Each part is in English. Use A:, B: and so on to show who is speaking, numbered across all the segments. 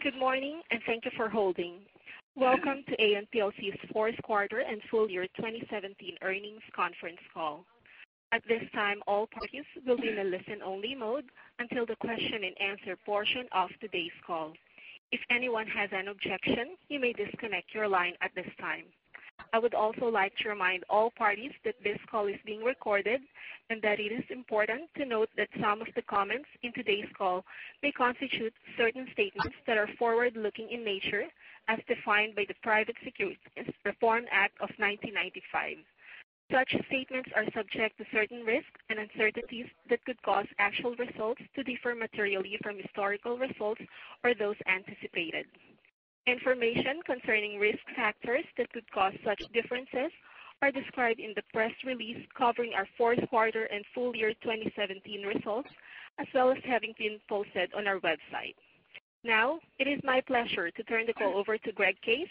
A: Good morning, and thank you for holding. Welcome to Aon plc's fourth quarter and full year 2017 earnings conference call. At this time, all parties will be in a listen-only mode until the question-and-answer portion of today's call. If anyone has an objection, you may disconnect your line at this time. I would also like to remind all parties that this call is being recorded, and that it is important to note that some of the comments in today's call may constitute certain statements that are forward-looking in nature, as defined by the Private Securities Litigation Reform Act of 1995. Such statements are subject to certain risks and uncertainties that could cause actual results to differ materially from historical results or those anticipated. Information concerning risk factors that could cause such differences are described in the press release covering our fourth quarter and full year 2017 results, as well as having been posted on our website. It is my pleasure to turn the call over to Greg Case,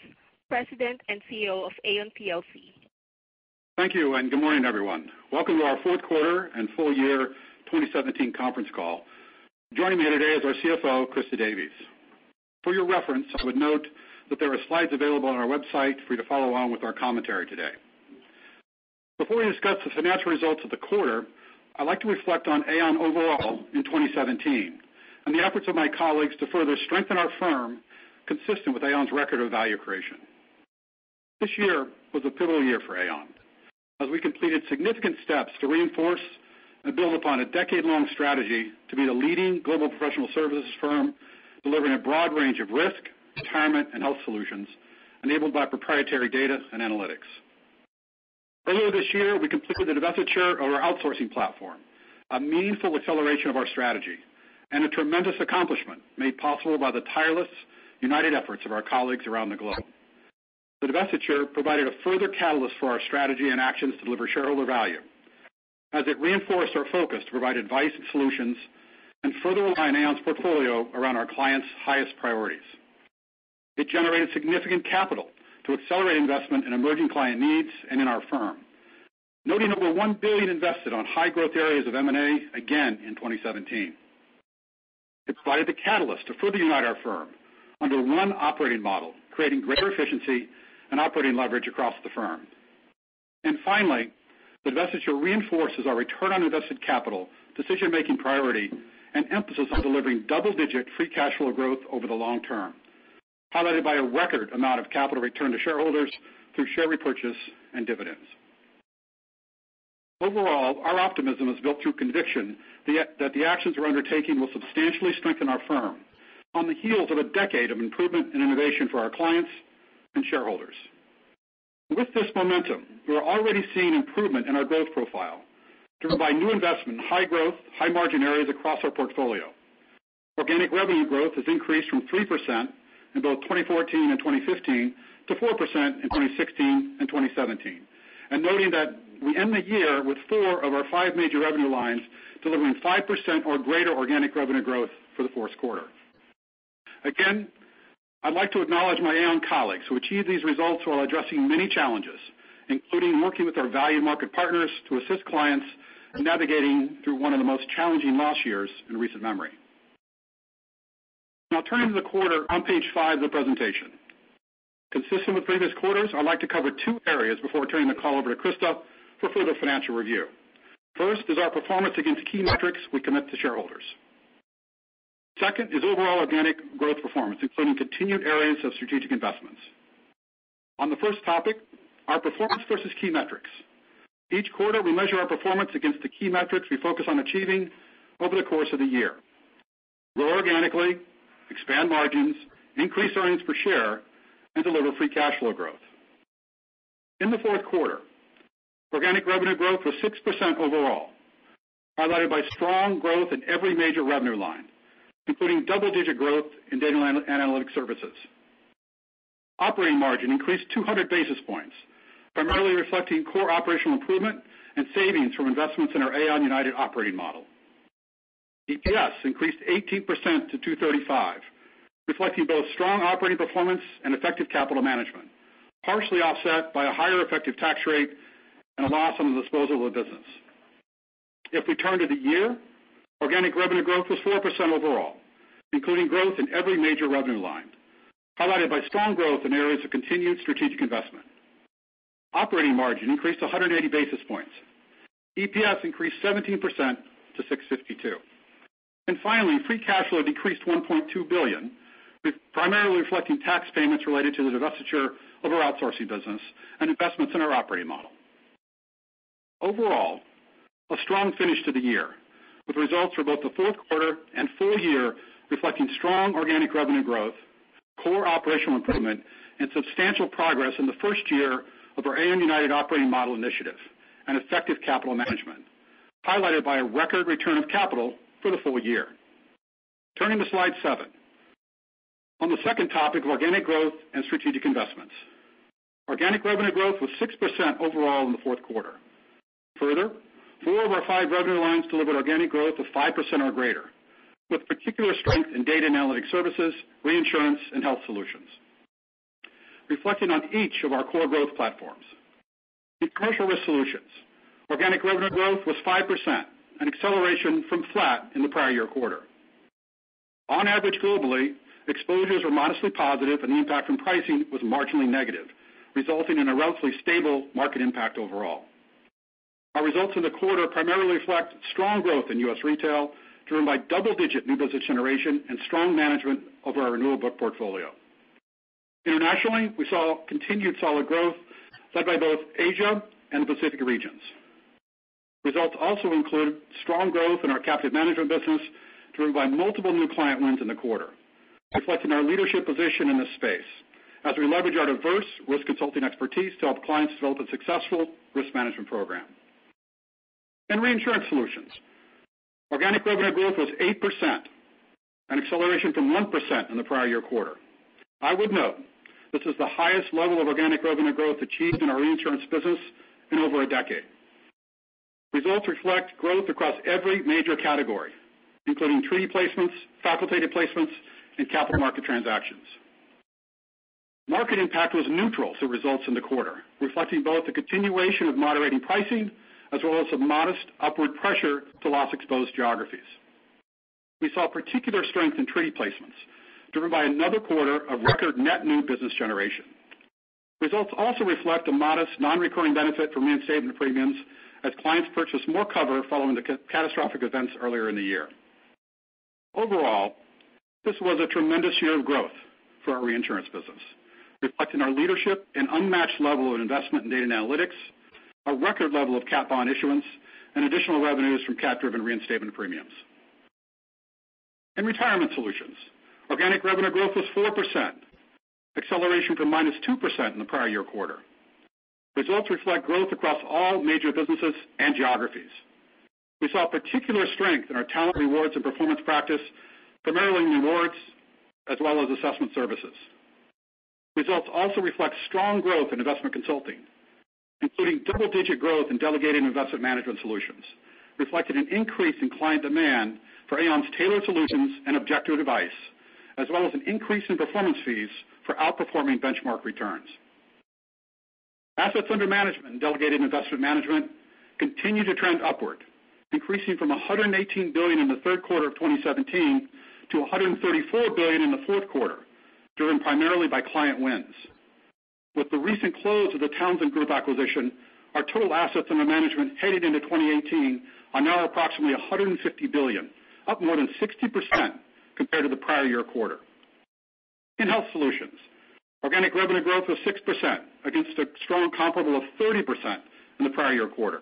A: President and Chief Executive Officer of Aon plc.
B: Thank you. Good morning, everyone. Welcome to our fourth quarter and full year 2017 conference call. Joining me today is our CFO, Christa Davies. For your reference, I would note that there are slides available on our website for you to follow along with our commentary today. Before we discuss the financial results of the quarter, I'd like to reflect on Aon overall in 2017, and the efforts of my colleagues to further strengthen our firm consistent with Aon's record of value creation. This year was a pivotal year for Aon, as we completed significant steps to reinforce and build upon a decade-long strategy to be the leading global professional services firm, delivering a broad range of risk, retirement, and health solutions enabled by proprietary data and analytics. Earlier this year, we completed the divestiture of our outsourcing platform, a meaningful acceleration of our strategy, and a tremendous accomplishment made possible by the tireless, united efforts of our colleagues around the globe. The divestiture provided a further catalyst for our strategy and actions to deliver shareholder value, as it reinforced our focus to provide advice and solutions and further align Aon's portfolio around our clients' highest priorities. It generated significant capital to accelerate investment in emerging client needs and in our firm. Noting over $1 billion invested on high growth areas of M&A, again in 2017. It provided the catalyst to further unite our firm under one operating model, creating greater efficiency and operating leverage across the firm. Finally, the divestiture reinforces our return on invested capital, decision-making priority, and emphasis on delivering double-digit free cash flow growth over the long term, highlighted by a record amount of capital return to shareholders through share repurchase and dividends. Overall, our optimism is built through conviction that the actions we're undertaking will substantially strengthen our firm on the heels of a decade of improvement and innovation for our clients and shareholders. With this momentum, we are already seeing improvement in our growth profile, driven by new investment in high growth, high margin areas across our portfolio. Organic revenue growth has increased from 3% in both 2014 and 2015 to 4% in 2016 and 2017. Noting that we end the year with four of our five major revenue lines delivering 5% or greater organic revenue growth for the fourth quarter. Again, I'd like to acknowledge my Aon colleagues who achieved these results while addressing many challenges, including working with our value market partners to assist clients in navigating through one of the most challenging loss years in recent memory. Now turning to the quarter on Page five of the presentation. Consistent with previous quarters, I'd like to cover two areas before turning the call over to Christa for further financial review. First is our performance against key metrics we commit to shareholders. Second is overall organic growth performance, including continued areas of strategic investments. On the first topic, our performance versus key metrics. Each quarter, we measure our performance against the key metrics we focus on achieving over the course of the year. Grow organically, expand margins, increase earnings per share, and deliver free cash flow growth. In the fourth quarter, organic revenue growth was 6% overall, highlighted by strong growth in every major revenue line, including double-digit growth in Data & Analytic Services. Operating margin increased 200 basis points, primarily reflecting core operational improvement and savings from investments in our Aon United operating model. EPS increased 18% to $2.35, reflecting both strong operating performance and effective capital management, partially offset by a higher effective tax rate and a loss on the disposal of the business. If we turn to the year, organic revenue growth was 4% overall, including growth in every major revenue line, highlighted by strong growth in areas of continued strategic investment. Operating margin increased to 180 basis points. EPS increased 17% to $6.52. Finally, free cash flow decreased $1.2 billion, with primarily reflecting tax payments related to the divestiture of our outsourcing business and investments in our operating model. Overall, a strong finish to the year, with results for both the fourth quarter and full year reflecting strong organic revenue growth, core operational improvement, and substantial progress in the first year of our Aon United operating model initiative and effective capital management, highlighted by a record return of capital for the full year. Turning to Slide seven. On the second topic of organic growth and strategic investments. Organic revenue growth was 6% overall in the fourth quarter. Further, four of our five revenue lines delivered organic growth of 5% or greater, with particular strength in Data & Analytic Services, reinsurance, and Health Solutions. Reflecting on each of our core growth platforms. In Commercial Risk Solutions, organic revenue growth was 5%, an acceleration from flat in the prior year quarter. On average globally, exposures were modestly positive and the impact from pricing was marginally negative, resulting in a relatively stable market impact overall. Our results in the quarter primarily reflect strong growth in U.S. retail, driven by double-digit new business generation and strong management of our renewal book portfolio. Internationally, we saw continued solid growth led by both Asia and the Pacific regions. Results also include strong growth in our captive management business, driven by multiple new client wins in the quarter, reflecting our leadership position in this space as we leverage our diverse risk consulting expertise to help clients develop a successful risk management program. In Reinsurance Solutions, organic revenue growth was 8%, an acceleration from 1% in the prior year quarter. I would note this is the highest level of organic revenue growth achieved in our reinsurance business in over a decade. Results reflect growth across every major category, including treaty placements, facultative placements, and capital market transactions. Market impact was neutral to results in the quarter, reflecting both the continuation of moderating pricing as well as some modest upward pressure to loss exposed geographies. We saw particular strength in treaty placements driven by another quarter of record net new business generation. Results also reflect a modest non-recurring benefit from reinstatement premiums as clients purchase more cover following the catastrophic events earlier in the year. Overall, this was a tremendous year of growth for our reinsurance business, reflecting our leadership and unmatched level of investment in data and analytics, our record level of cat bond issuance, and additional revenues from cat-driven reinstatement premiums. In Retirement Solutions, organic revenue growth was 4%, acceleration from minus 2% in the prior year quarter. Results reflect growth across all major businesses and geographies. We saw particular strength in our talent rewards and performance practice, primarily in rewards as well as assessment services. Results also reflect strong growth in investment consulting, including double-digit growth in delegated investment management solutions, reflecting an increase in client demand for Aon's tailored solutions and objective advice, as well as an increase in performance fees for outperforming benchmark returns. Assets under management and delegated investment management continue to trend upward, increasing from $118 billion in the third quarter of 2017 to $134 billion in the fourth quarter, driven primarily by client wins. With the recent close of The Townsend Group acquisition, our total assets under management headed into 2018 are now approximately $150 billion, up more than 60% compared to the prior year quarter. In Health Solutions, organic revenue growth was 6% against a strong comparable of 30% in the prior year quarter.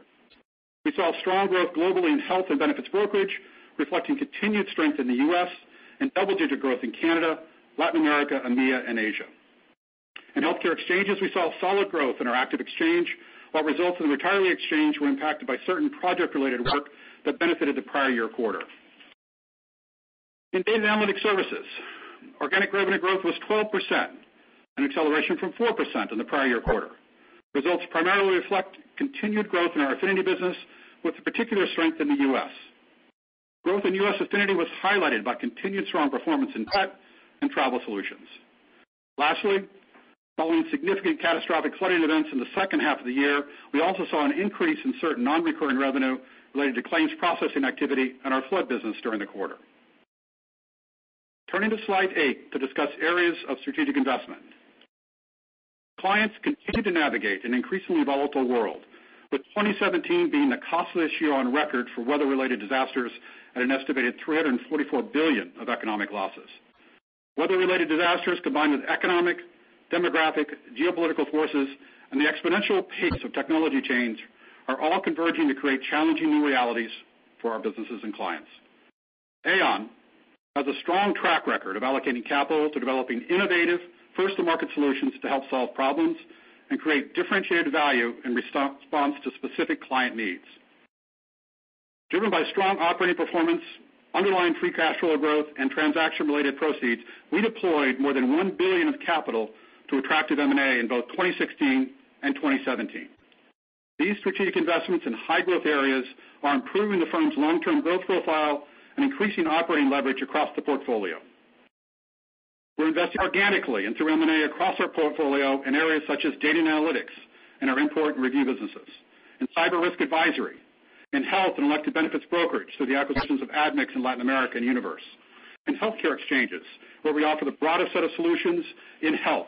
B: We saw strong growth globally in health and benefits brokerage, reflecting continued strength in the U.S. and double-digit growth in Canada, Latin America, EMEA, and Asia. In healthcare exchanges, we saw solid growth in our active exchange, while results in retiree exchange were impacted by certain project-related work that benefited the prior year quarter. In Data & Analytic Services, organic revenue growth was 12%, an acceleration from 4% in the prior year quarter. Results primarily reflect continued growth in our affinity business with a particular strength in the U.S. Growth in U.S. affinity was highlighted by continued strong performance in pet and travel solutions. Lastly, following significant catastrophic flooding events in the second half of the year, we also saw an increase in certain non-recurring revenue related to claims processing activity in our flood business during the quarter. Turning to slide eight to discuss areas of strategic investment. Clients continue to navigate an increasingly volatile world, with 2017 being the costliest year on record for weather-related disasters at an estimated $344 billion of economic losses. Weather-related disasters combined with economic, demographic, geopolitical forces, and the exponential pace of technology change are all converging to create challenging new realities for our businesses and clients. Aon has a strong track record of allocating capital to developing innovative first-to-market solutions to help solve problems and create differentiated value in response to specific client needs. Driven by strong operating performance, underlying free cash flow growth and transaction-related proceeds, we deployed more than $1 billion of capital to attractive M&A in both 2016 and 2017. These strategic investments in high growth areas are improving the firm's long-term growth profile and increasing operating leverage across the portfolio. We're investing organically and through M&A across our portfolio in areas such as Data & Analytic Services in our InPoint and ReView businesses, in cyber risk advisory, in health and elective benefits brokerage through the acquisitions of Admix in Latin America and Univers, in healthcare exchanges where we offer the broadest set of solutions in health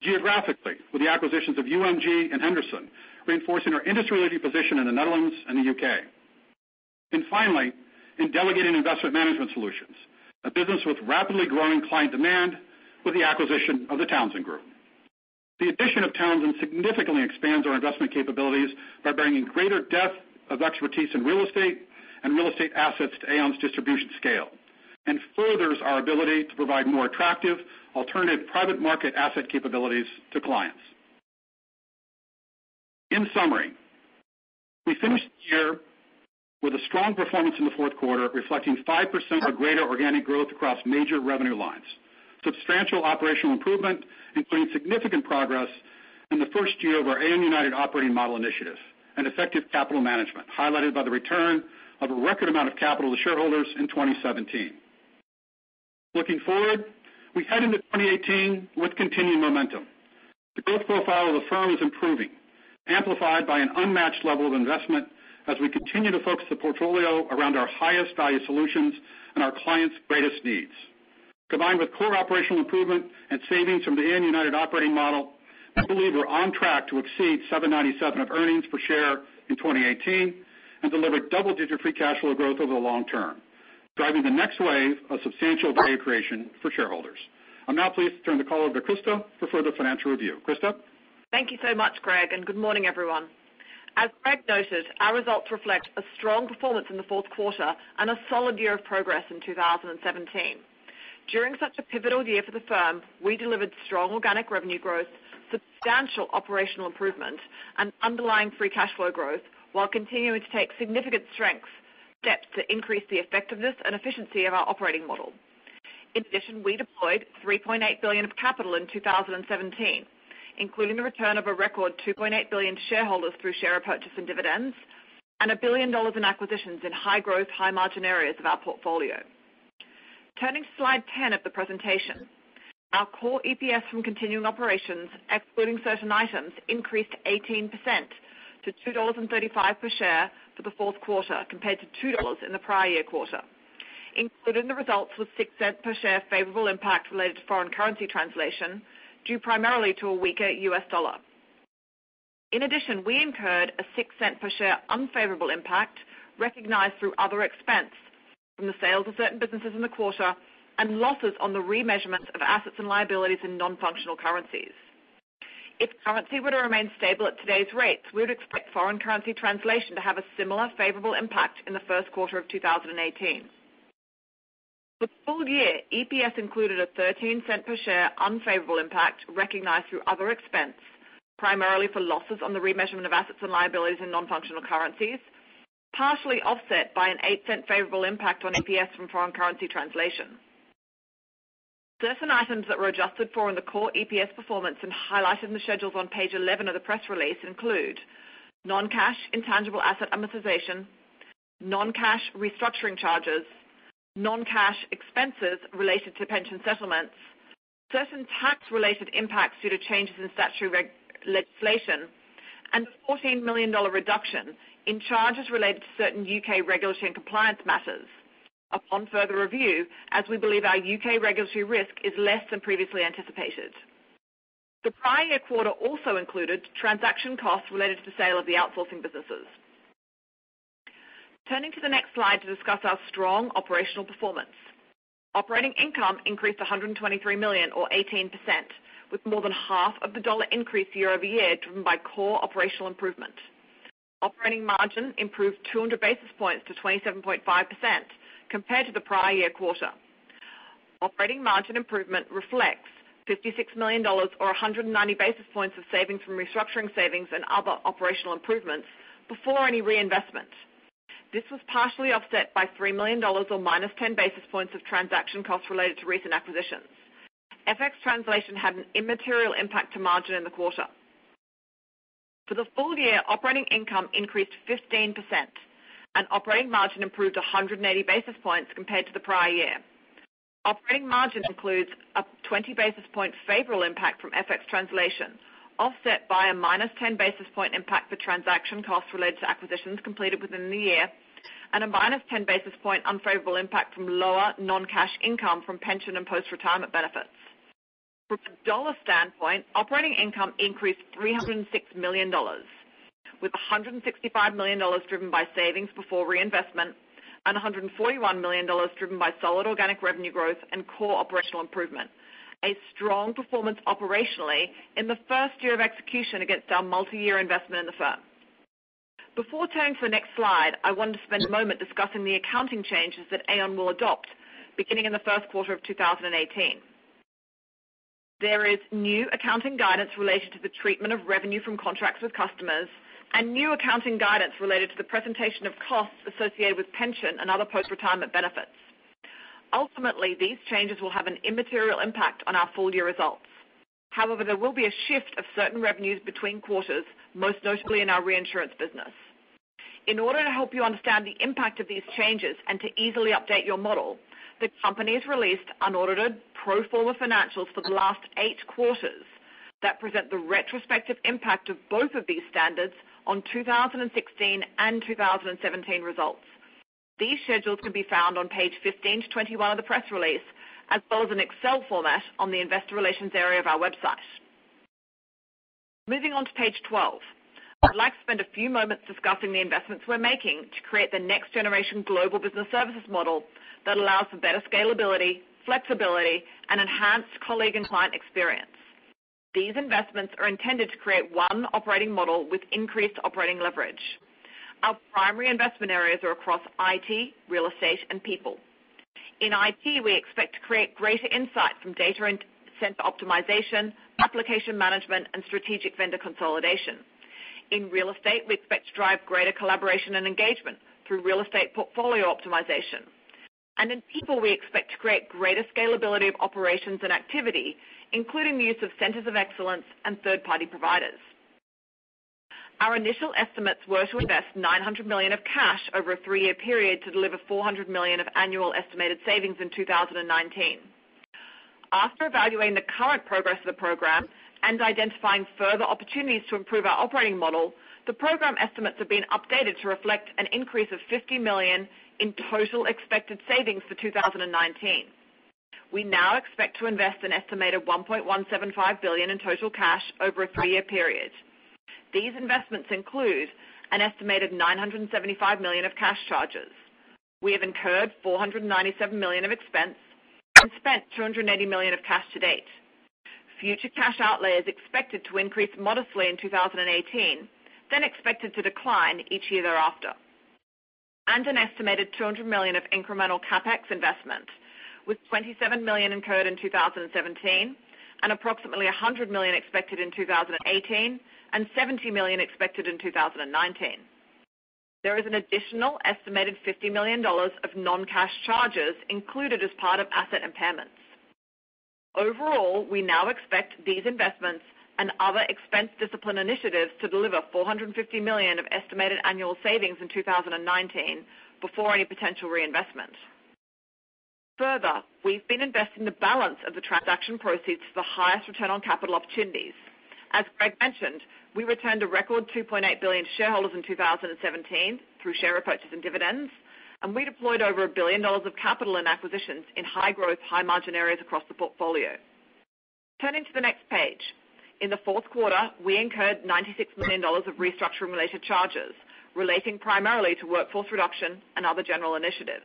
B: geographically with the acquisitions of UMG and Henderson, reinforcing our industry-leading position in the Netherlands and the U.K. Finally, in delegated investment management solutions, a business with rapidly growing client demand with the acquisition of The Townsend Group. The addition of Townsend significantly expands our investment capabilities by bringing greater depth of expertise in real estate and real estate assets to Aon's distribution scale and furthers our ability to provide more attractive alternative private market asset capabilities to clients. In summary, we finished the year with a strong performance in the fourth quarter, reflecting 5% or greater organic growth across major revenue lines, substantial operational improvement, including significant progress in the first year of our Aon United operating model initiatives and effective capital management, highlighted by the return of a record amount of capital to shareholders in 2017. Looking forward, we head into 2018 with continued momentum. The growth profile of the firm is improving, amplified by an unmatched level of investment as we continue to focus the portfolio around our highest value solutions and our clients' greatest needs. Combined with core operational improvement and savings from the Aon United operating model, I believe we're on track to exceed $7.97 of earnings per share in 2018 and deliver double-digit free cash flow growth over the long term, driving the next wave of substantial value creation for shareholders. I'm now pleased to turn the call over to Christa for further financial review. Christa?
C: Thank you so much, Greg. Good morning, everyone. As Greg noted, our results reflect a strong performance in the fourth quarter and a solid year of progress in 2017. During such a pivotal year for the firm, we delivered strong organic revenue growth, substantial operational improvement, and underlying free cash flow growth while continuing to take significant steps to increase the effectiveness and efficiency of our operating model. In addition, we deployed $3.8 billion of capital in 2017, including the return of a record $2.8 billion shareholders through share purchase and dividends and $1 billion in acquisitions in high growth, high margin areas of our portfolio. Turning to slide 10 of the presentation. Our core EPS from continuing operations, excluding certain items, increased 18% to $2.35 per share for the fourth quarter, compared to $2 in the prior year quarter. Included in the results were $0.06 per share favorable impact related to foreign currency translation, due primarily to a weaker U.S. dollar. In addition, we incurred a $0.06 per share unfavorable impact recognized through other expense from the sales of certain businesses in the quarter and losses on the remeasurement of assets and liabilities in non-functional currencies. If currency were to remain stable at today's rates, we would expect foreign currency translation to have a similar favorable impact in the first quarter of 2018. For the full year, EPS included a $0.13 per share unfavorable impact recognized through other expense, primarily for losses on the remeasurement of assets and liabilities in non-functional currencies, partially offset by an $0.08 favorable impact on EPS from foreign currency translation. Certain items that were adjusted for in the core EPS performance and highlighted in the schedules on page 11 of the press release include non-cash intangible asset amortization, non-cash restructuring charges, non-cash expenses related to pension settlements, certain tax related impacts due to changes in statutory legislation, and a $14 million reduction in charges related to certain U.K. regulatory and compliance matters. Upon further review, as we believe our U.K. regulatory risk is less than previously anticipated. The prior year quarter also included transaction costs related to the sale of the outsourcing businesses. Turning to the next slide to discuss our strong operational performance. Operating income increased $123 million or 18%, with more than half of the dollar increase year-over-year driven by core operational improvement. Operating margin improved 200 basis points to 27.5% compared to the prior year quarter. Operating margin improvement reflects $56 million or 190 basis points of savings from restructuring savings and other operational improvements before any reinvestment. This was partially offset by $3 million or -10 basis points of transaction costs related to recent acquisitions. FX translation had an immaterial impact to margin in the quarter. For the full year, operating income increased 15% and operating margin improved 180 basis points compared to the prior year. Operating margin includes a 20 basis point favorable impact from FX translation, offset by a -10 basis point impact for transaction costs related to acquisitions completed within the year, and a -10 basis point unfavorable impact from lower non-cash income from pension and post-retirement benefits. From a dollar standpoint, operating income increased $306 million, with $165 million driven by savings before reinvestment and $141 million driven by solid organic revenue growth and core operational improvement. A strong performance operationally in the first year of execution against our multi-year investment in the firm. Before turning to the next slide, I want to spend a moment discussing the accounting changes that Aon will adopt beginning in the first quarter of 2018. There is new accounting guidance related to the treatment of revenue from contracts with customers and new accounting guidance related to the presentation of costs associated with pension and other post-retirement benefits. Ultimately, these changes will have an immaterial impact on our full-year results. However, there will be a shift of certain revenues between quarters, most notably in our reinsurance business. In order to help you understand the impact of these changes and to easily update your model, the company has released unaudited pro forma financials for the last eight quarters that present the retrospective impact of both of these standards on 2016 and 2017 results. These schedules can be found on page 15 to 21 of the press release, as well as an Excel format on the investor relations area of our website. Moving on to page 12. I'd like to spend a few moments discussing the investments we're making to create the next generation global business services model that allows for better scalability, flexibility, and enhanced colleague and client experience. These investments are intended to create one operating model with increased operating leverage. Our primary investment areas are across IT, real estate, and people. In IT, we expect to create greater insight from data and sensor optimization, application management, and strategic vendor consolidation. In real estate, we expect to drive greater collaboration and engagement through real estate portfolio optimization. In people, we expect to create greater scalability of operations and activity, including the use of centers of excellence and third-party providers. Our initial estimates were to invest $900 million of cash over a three-year period to deliver $400 million of annual estimated savings in 2019. After evaluating the current progress of the program and identifying further opportunities to improve our operating model, the program estimates have been updated to reflect an increase of $50 million in total expected savings for 2019. We now expect to invest an estimated $1.175 billion in total cash over a three-year period. These investments include an estimated $975 million of cash charges. We have incurred $497 million of expense and spent $280 million of cash to date. Future cash outlay is expected to increase modestly in 2018, then expected to decline each year thereafter. An estimated $200 million of incremental CapEx investments, with $27 million incurred in 2017 and approximately $100 million expected in 2018 and $70 million expected in 2019. There is an additional estimated $50 million of non-cash charges included as part of asset impairments. Overall, we now expect these investments and other expense discipline initiatives to deliver $450 million of estimated annual savings in 2019 before any potential reinvestment. Further, we've been investing the balance of the transaction proceeds for the highest return on capital opportunities. As Greg mentioned, we returned a record $2.8 billion to shareholders in 2017 through share repurchases and dividends, and we deployed over a billion dollars of capital in acquisitions in high growth, high margin areas across the portfolio. Turning to the next page. In the fourth quarter, we incurred $96 million of restructuring related charges, relating primarily to workforce reduction and other general initiatives.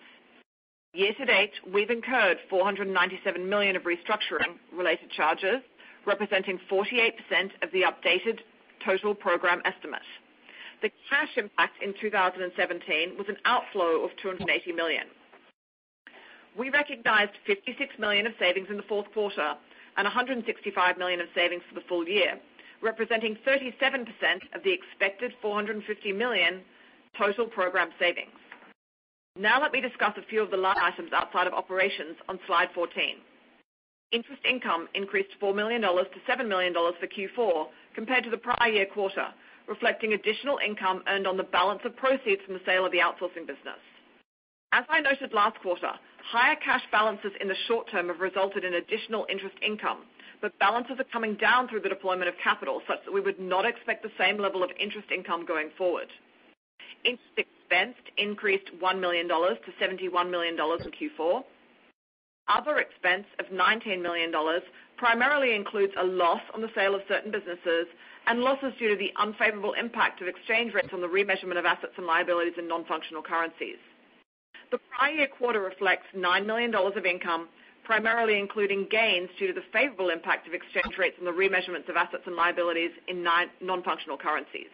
C: Year to date, we've incurred $497 million of restructuring related charges, representing 48% of the updated total program estimate. The cash impact in 2017 was an outflow of $280 million. We recognized $56 million of savings in the fourth quarter and $165 million of savings for the full year, representing 37% of the expected $450 million total program savings. Let me discuss a few of the line items outside of operations on slide 14. Interest income increased $4 million to $7 million for Q4 compared to the prior year quarter, reflecting additional income earned on the balance of proceeds from the sale of the outsourcing business. As I noted last quarter, higher cash balances in the short term have resulted in additional interest income, but balances are coming down through the deployment of capital, such that we would not expect the same level of interest income going forward. Interest expense increased $1 million to $71 million for Q4. Other expense of $19 million primarily includes a loss on the sale of certain businesses and losses due to the unfavorable impact of exchange rates on the remeasurement of assets and liabilities in non-functional currencies. The prior year quarter reflects $9 million of income, primarily including gains due to the favorable impact of exchange rates and the remeasurements of assets and liabilities in non-functional currencies.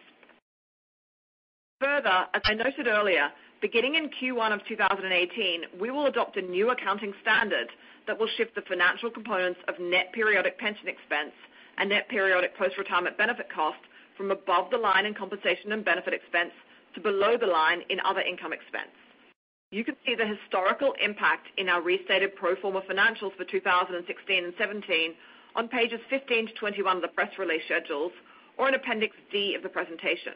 C: As I noted earlier, beginning in Q1 of 2018, we will adopt a new accounting standard that will shift the financial components of net periodic pension expense and net periodic post-retirement benefit cost from above the line in compensation and benefits expense to below the line in other income expense. You can see the historical impact in our restated pro forma financials for 2016 and 2017 on pages 15-21 of the press release schedules or in Appendix D of the presentation.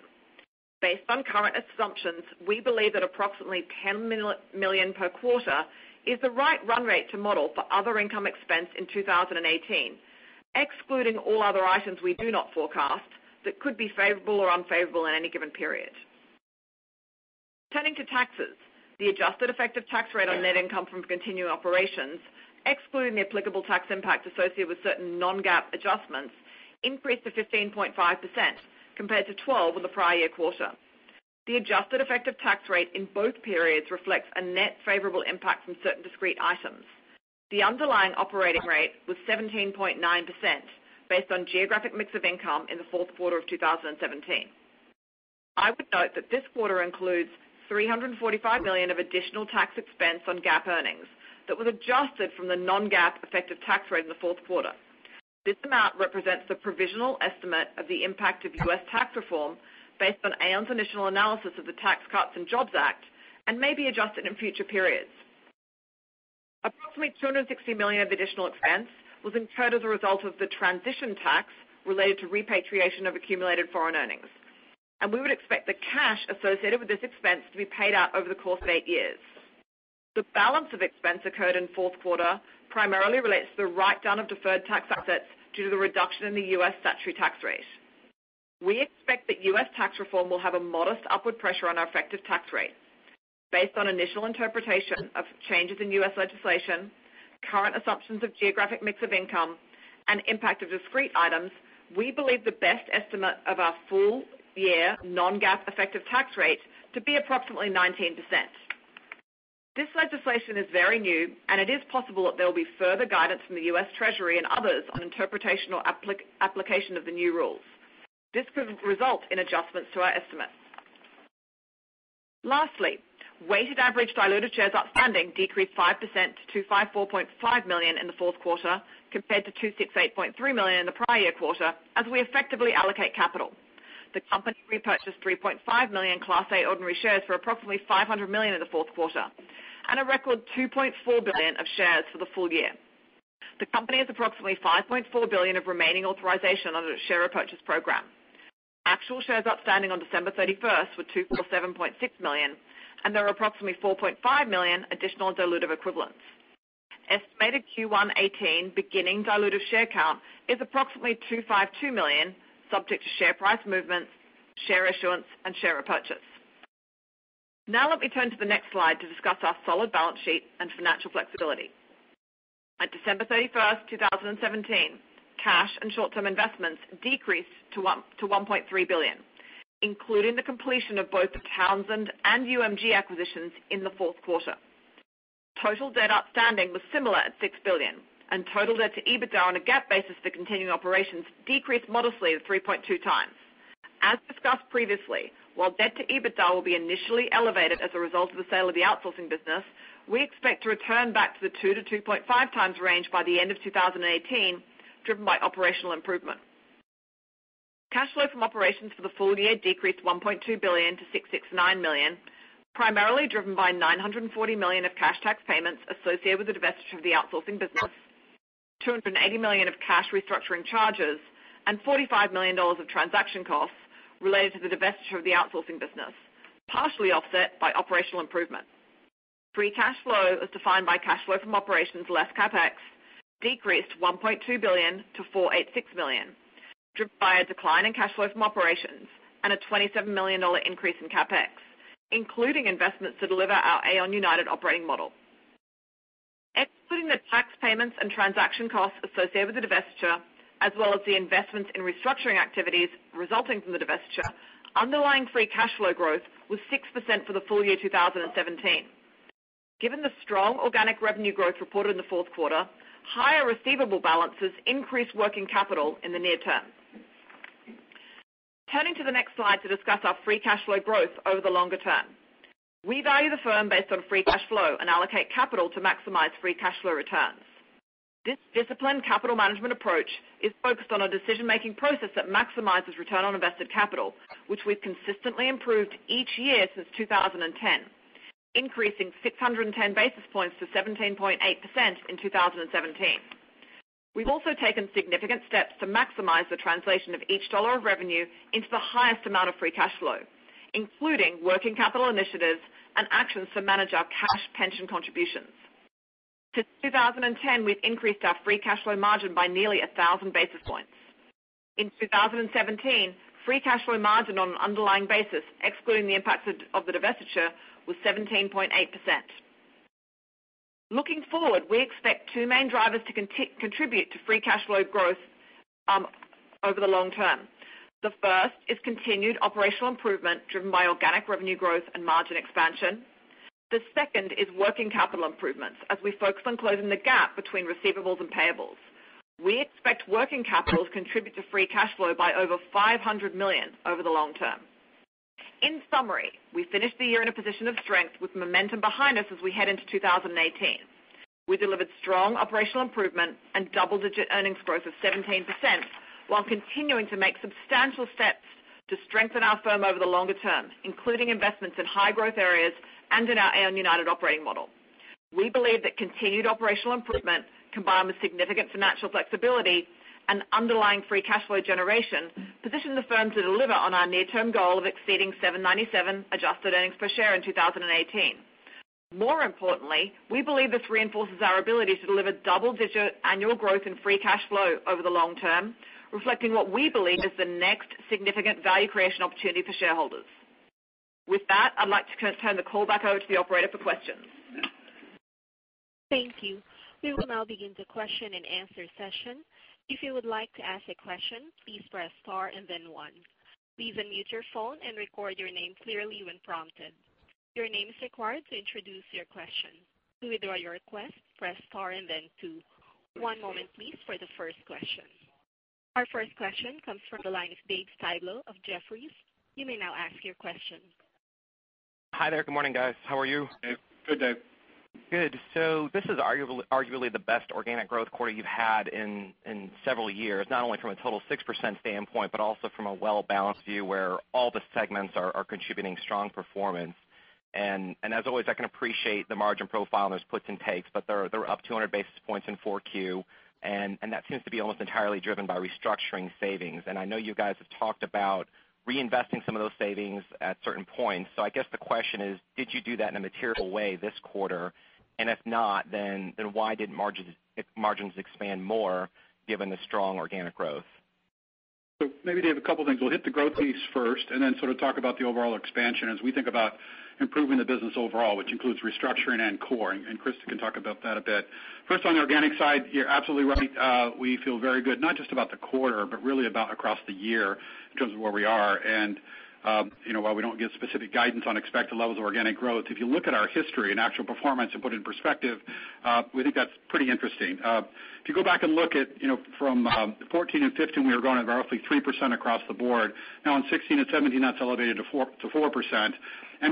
C: Based on current assumptions, we believe that approximately $10 million per quarter is the right run rate to model for other income expense in 2018, excluding all other items we do not forecast that could be favorable or unfavorable in any given period. Turning to taxes, the adjusted effective tax rate on net income from continuing operations, excluding the applicable tax impact associated with certain non-GAAP adjustments, increased to 15.5% compared to 12% on the prior year quarter. The adjusted effective tax rate in both periods reflects a net favorable impact from certain discrete items. The underlying operating rate was 17.9%, based on geographic mix of income in the fourth quarter of 2017. I would note that this quarter includes $345 million of additional tax expense on GAAP earnings that was adjusted from the non-GAAP effective tax rate in the fourth quarter. This amount represents the provisional estimate of the impact of U.S. tax reform based on Aon's initial analysis of the Tax Cuts and Jobs Act and may be adjusted in future periods. Approximately $260 million of additional expense was incurred as a result of the transition tax related to repatriation of accumulated foreign earnings. We would expect the cash associated with this expense to be paid out over the course of eight years. The balance of expense occurred in fourth quarter primarily relates to the write-down of deferred tax assets due to the reduction in the U.S. statutory tax rate. We expect that U.S. tax reform will have a modest upward pressure on our effective tax rate. Based on initial interpretation of changes in U.S. legislation, current assumptions of geographic mix of income, and impact of discrete items, we believe the best estimate of our full year non-GAAP effective tax rate to be approximately 19%. This legislation is very new, and it is possible that there will be further guidance from the U.S. Treasury and others on interpretation or application of the new rules. This could result in adjustments to our estimates. Lastly, weighted average diluted shares outstanding decreased 5% to 254.5 million in the fourth quarter compared to 268.3 million in the prior year quarter as we effectively allocate capital. The company repurchased 3.5 million Class A ordinary shares for approximately $500 million in the fourth quarter and a record $2.4 billion of shares for the full year. The company has approximately $5.4 billion of remaining authorization under its share repurchase program. Actual shares outstanding on December 31st were 247.6 million, and there are approximately 4.5 million additional dilutive equivalents. Estimated Q1 2018 beginning dilutive share count is approximately 252 million, subject to share price movements, share issuance, and share repurchase. Now let me turn to the next slide to discuss our solid balance sheet and financial flexibility. At December 31st, 2017, cash and short-term investments decreased to $1.3 billion, including the completion of both the Townsend and UMG acquisitions in the fourth quarter. Total debt outstanding was similar at $6 billion, and total debt to EBITDA on a GAAP basis for continuing operations decreased modestly to 3.2 times. As discussed previously, while debt to EBITDA will be initially elevated as a result of the sale of the outsourcing business, we expect to return back to the 2-2.5 times range by the end of 2018, driven by operational improvement. Cash flow from operations for the full year decreased $1.2 billion to $669 million, primarily driven by $940 million of cash tax payments associated with the divesture of the outsourcing business, $280 million of cash restructuring charges, and $45 million of transaction costs related to the divesture of the outsourcing business, partially offset by operational improvement. Free cash flow, as defined by cash flow from operations less CapEx, decreased $1.2 billion to $486 million, driven by a decline in cash flow from operations and a $27 million increase in CapEx, including investments to deliver our Aon United operating model. Excluding the tax payments and transaction costs associated with the divestiture, as well as the investments in restructuring activities resulting from the divestiture, underlying free cash flow growth was 6% for the full year 2017. Given the strong organic revenue growth reported in the fourth quarter, higher receivable balances increased working capital in the near term. Turning to the next slide to discuss our free cash flow growth over the longer term. We value the firm based on free cash flow and allocate capital to maximize free cash flow returns. This disciplined capital management approach is focused on a decision-making process that maximizes return on invested capital, which we've consistently improved each year since 2010, increasing 610 basis points to 17.8% in 2017. We've also taken significant steps to maximize the translation of each dollar of revenue into the highest amount of free cash flow, including working capital initiatives and actions to manage our cash pension contributions. Since 2010, we've increased our free cash flow margin by nearly 1,000 basis points. In 2017, free cash flow margin on an underlying basis, excluding the impacts of the divestiture, was 17.8%. Looking forward, we expect two main drivers to contribute to free cash flow growth over the long term. The first is continued operational improvement driven by organic revenue growth and margin expansion. The second is working capital improvements as we focus on closing the gap between receivables and payables. We expect working capital to contribute to free cash flow by over $500 million over the long term. In summary, we finished the year in a position of strength with momentum behind us as we head into 2018. We delivered strong operational improvement and double-digit earnings growth of 17%, while continuing to make substantial steps to strengthen our firm over the longer term, including investments in high-growth areas and in our Aon United operating model. We believe that continued operational improvement, combined with significant financial flexibility and underlying free cash flow generation, position the firm to deliver on our near-term goal of exceeding $7.97 adjusted earnings per share in 2018. More importantly, we believe this reinforces our ability to deliver double-digit annual growth in free cash flow over the long term, reflecting what we believe is the next significant value creation opportunity for shareholders. With that, I'd like to turn the call back over to the operator for questions.
A: Thank you. We will now begin the question and answer session. If you would like to ask a question, please press star and then one. Please unmute your phone and record your name clearly when prompted. Your name is required to introduce your question. To withdraw your request, press star and then two. One moment, please, for the first question. Our first question comes from the line of Dave Styblo of Jefferies. You may now ask your question.
D: Hi there. Good morning, guys. How are you?
B: Good, Dave.
D: This is arguably the best organic growth quarter you've had in several years, not only from a total 6% standpoint, but also from a well-balanced view where all the segments are contributing strong performance. As always, I can appreciate the margin profile, and there's puts and takes, but they're up 200 basis points in 4Q, and that seems to be almost entirely driven by restructuring savings. I know you guys have talked about reinvesting some of those savings at certain points. I guess the question is, did you do that in a material way this quarter? And if not, then why didn't margins expand more given the strong organic growth?
B: Maybe, Dave, a couple of things. We'll hit the growth piece first and then sort of talk about the overall expansion as we think about improving the business overall, which includes restructuring and core, and Christa can talk about that a bit. First, on the organic side, you're absolutely right. We feel very good, not just about the quarter, but really about across the year in terms of where we are. While we don't give specific guidance on expected levels of organic growth, if you look at our history and actual performance and put in perspective, we think that's pretty interesting. If you go back and look at from 2014 and 2015, we were growing at roughly 3% across the board. In 2016 and 2017, that's elevated to 4%.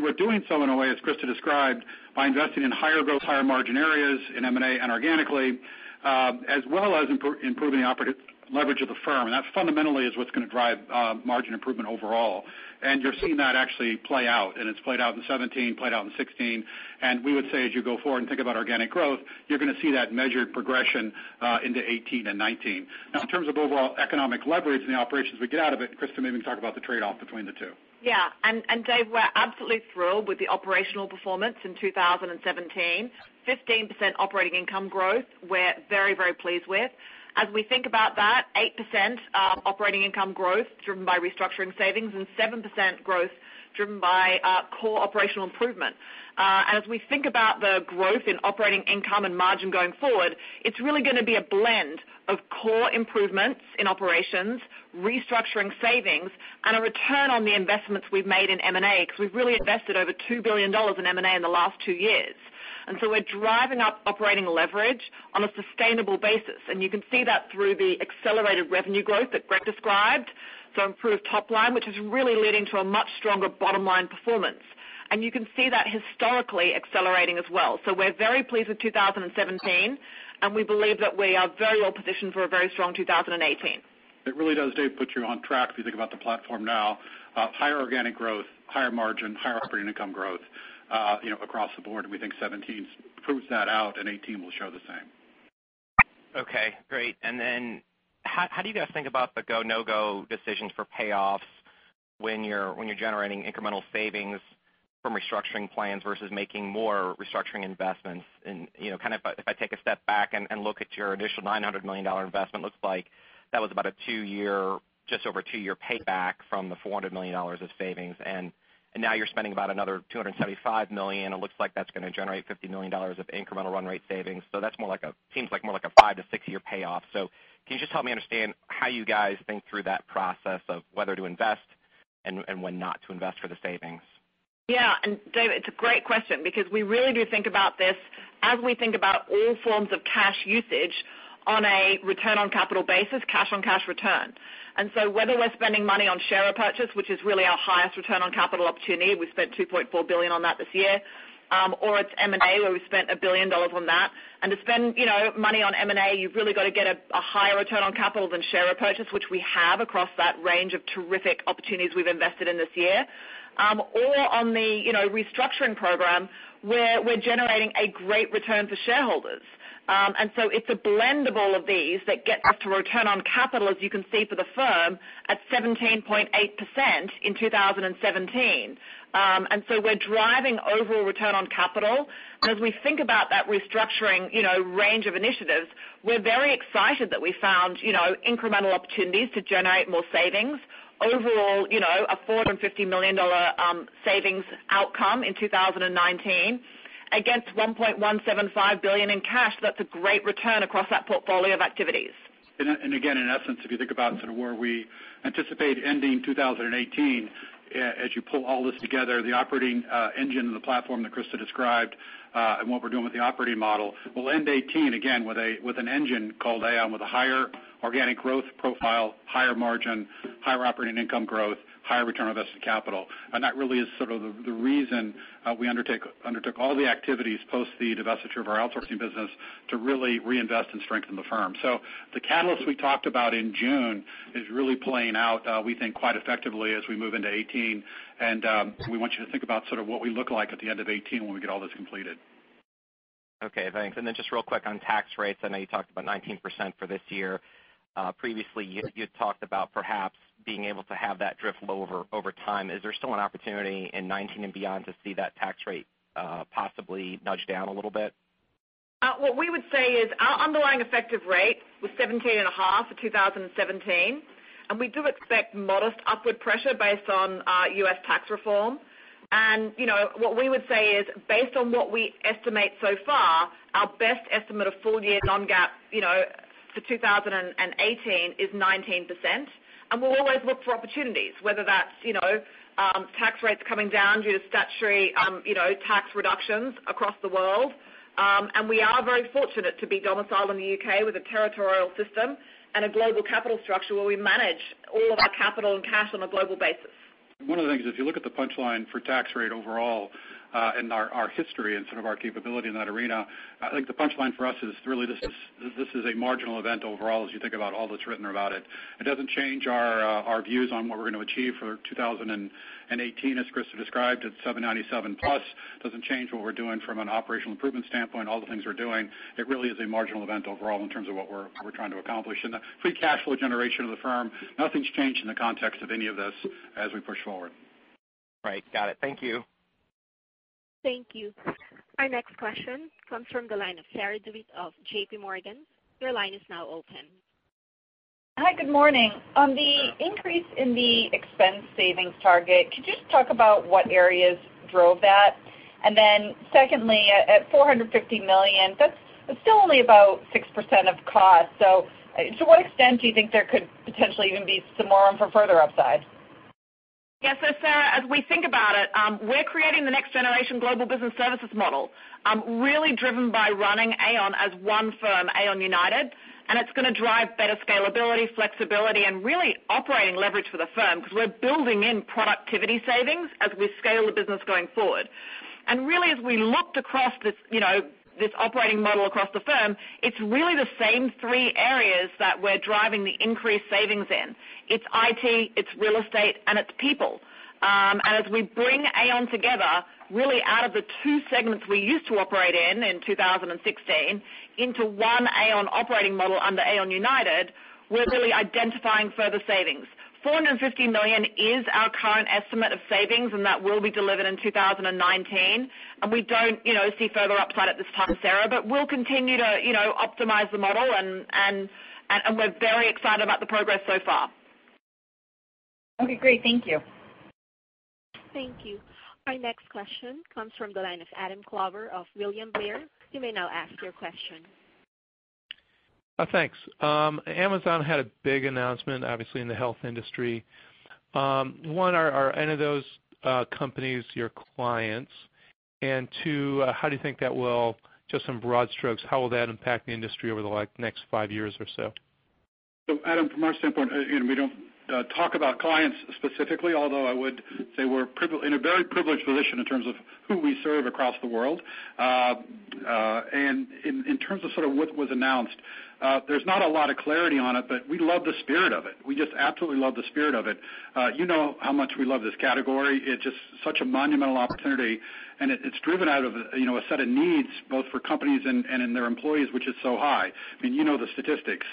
B: We're doing so in a way, as Christa described, by investing in higher growth, higher margin areas in M&A and organically, as well as improving the operative leverage of the firm. That fundamentally is what's going to drive margin improvement overall. You're seeing that actually play out, and it's played out in 2017, played out in 2016. We would say as you go forward and think about organic growth, you're going to see that measured progression into 2018 and 2019. Now, in terms of overall economic leverage in the operations we get out of it, Christa, maybe you can talk about the trade-off between the two.
C: Yeah. Dave, we're absolutely thrilled with the operational performance in 2017. 15% operating income growth, we're very, very pleased with. As we think about that, 8% operating income growth driven by restructuring savings and 7% growth driven by core operational improvement. As we think about the growth in operating income and margin going forward, it's really going to be a blend of core improvements in operations, restructuring savings, and a return on the investments we've made in M&A, because we've really invested over $2 billion in M&A in the last two years. We're driving up operating leverage on a sustainable basis, and you can see that through the accelerated revenue growth that Greg described from improved top line, which is really leading to a much stronger bottom-line performance. You can see that historically accelerating as well. We're very pleased with 2017, and we believe that we are very well positioned for a very strong 2018.
B: It really does, Dave, put you on track if you think about the platform now. Higher organic growth, higher margin, higher operating income growth, across the board. We think 2017 proves that out, and 2018 will show the same.
D: Okay, great. How do you guys think about the go, no-go decisions for payoffs when you're generating incremental savings from restructuring plans versus making more restructuring investments? If I take a step back and look at your initial $900 million investment, looks like that was about a just over two-year payback from the $400 million of savings, now you're spending about another $275 million. It looks like that's going to generate $50 million of incremental run rate savings. That seems like more like a five to six-year payoff. Can you just help me understand how you guys think through that process of whether to invest and when not to invest for the savings?
C: Yeah. Dave, it's a great question because we really do think about this as we think about all forms of cash usage on a return on capital basis, cash on cash return. Whether we're spending money on share repurchase, which is really our highest return on capital opportunity, we spent $2.4 billion on that this year, or it's M&A, where we spent $1 billion on that. To spend money on M&A, you've really got to get a higher return on capital than share repurchase, which we have across that range of terrific opportunities we've invested in this year. Or on the restructuring program, where we're generating a great return for shareholders. It's a blend of all of these that get us to return on capital, as you can see for the firm, at 17.8% in 2017. We're driving overall return on capital. As we think about that restructuring range of initiatives, we're very excited that we found incremental opportunities to generate more savings. Overall, a $450 million savings outcome in 2019 against $1.175 billion in cash. That's a great return across that portfolio of activities.
B: Again, in essence, if you think about where we anticipate ending 2018, as you pull all this together, the operating engine and the platform that Christa described, what we're doing with the operating model, we'll end 2018 again with an engine called Aon with a higher organic growth profile, higher margin, higher operating income growth, higher return on invested capital. That really is sort of the reason we undertook all the activities post the divestiture of our outsourcing business to really reinvest and strengthen the firm. The catalyst we talked about in June is really playing out, we think, quite effectively as we move into 2018. We want you to think about sort of what we look like at the end of 2018 when we get all this completed.
D: Okay, thanks. Just real quick on tax rates, I know you talked about 19% for this year. Previously, you had talked about perhaps being able to have that drift lower over time. Is there still an opportunity in 2019 and beyond to see that tax rate possibly nudge down a little bit?
C: What we would say is our underlying effective rate was 17.5% for 2017, we do expect modest upward pressure based on U.S. tax reform. What we would say is, based on what we estimate so far, our best estimate of full-year non-GAAP for 2018 is 19%. We'll always look for opportunities, whether that's tax rates coming down due to statutory tax reductions across the world. We are very fortunate to be domiciled in the U.K. with a territorial system and a global capital structure where we manage all of our capital and cash on a global basis.
B: One of the things is, if you look at the punchline for tax rate overall in our history and some of our capability in that arena, I think the punchline for us is really this is a marginal event overall, as you think about all that's written about it. It doesn't change our views on what we're going to achieve for 2018, as Christa described. It's $7.97+. Doesn't change what we're doing from an operational improvement standpoint, all the things we're doing. It really is a marginal event overall in terms of what we're trying to accomplish. The free cash flow generation of the firm, nothing's changed in the context of any of this as we push forward.
D: Right. Got it. Thank you.
A: Thank you. Our next question comes from the line of Sarah DeWitt of JPMorgan. Your line is now open.
E: Hi, good morning. On the increase in the expense savings target, could you just talk about what areas drove that? Then secondly, at $450 million, that's still only about 6% of cost. To what extent do you think there could potentially even be some room for further upside?
C: Yeah. Sarah, as we think about it, we're creating the next generation global business services model, really driven by running Aon as one firm, Aon United. It's going to drive better scalability, flexibility, and really operating leverage for the firm because we're building in productivity savings as we scale the business going forward. Really, as we looked across this operating model across the firm, it's really the same three areas that we're driving the increased savings in. It's IT, it's real estate, and it's people. As we bring Aon together, really out of the two segments we used to operate in 2016, into one Aon operating model under Aon United, we're really identifying further savings. $450 million is our current estimate of savings, and that will be delivered in 2019. We don't see further upside at this time, Sarah, but we'll continue to optimize the model, and we're very excited about the progress so far.
E: Okay, great. Thank you.
A: Thank you. Our next question comes from the line of Adam Klauber of William Blair. You may now ask your question.
F: Thanks. Amazon had a big announcement, obviously, in the health industry. One, are any of those companies your clients? Two, how do you think that will, just in broad strokes, how will that impact the industry over the next five years or so?
B: Adam, from our standpoint, we don't talk about clients specifically, although I would say we're in a very privileged position in terms of who we serve across the world. In terms of what was announced, there's not a lot of clarity on it, we love the spirit of it. We just absolutely love the spirit of it. You know how much we love this category. It's just such a monumental opportunity, it's driven out of a set of needs, both for companies and their employees, which is so high. You know the statistics.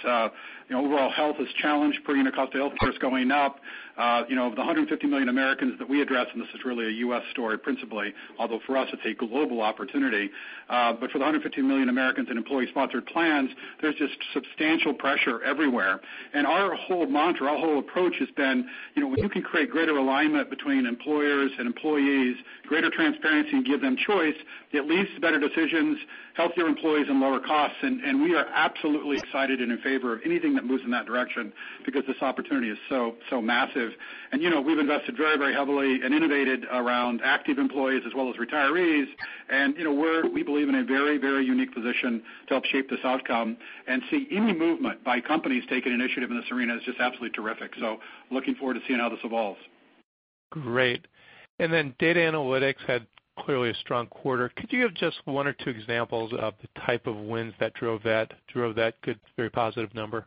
B: Overall health is challenged, per unit cost of health costs going up. The 150 million Americans that we address, this is really a U.S. story principally, although for us, it's a global opportunity. For the 150 million Americans in employee-sponsored plans, there's just substantial pressure everywhere. Our whole mantra, our whole approach has been, when you can create greater alignment between employers and employees, greater transparency, and give them choice, it leads to better decisions, healthier employees, and lower costs. We are absolutely excited and in favor of anything that moves in that direction because this opportunity is so massive. We've invested very heavily and innovated around active employees as well as retirees. We believe in a very unique position to help shape this outcome and see any movement by companies taking initiative in this arena is just absolutely terrific. Looking forward to seeing how this evolves.
F: Great. Data analytics had clearly a strong quarter. Could you give just one or two examples of the type of wins that drove that good, very positive number?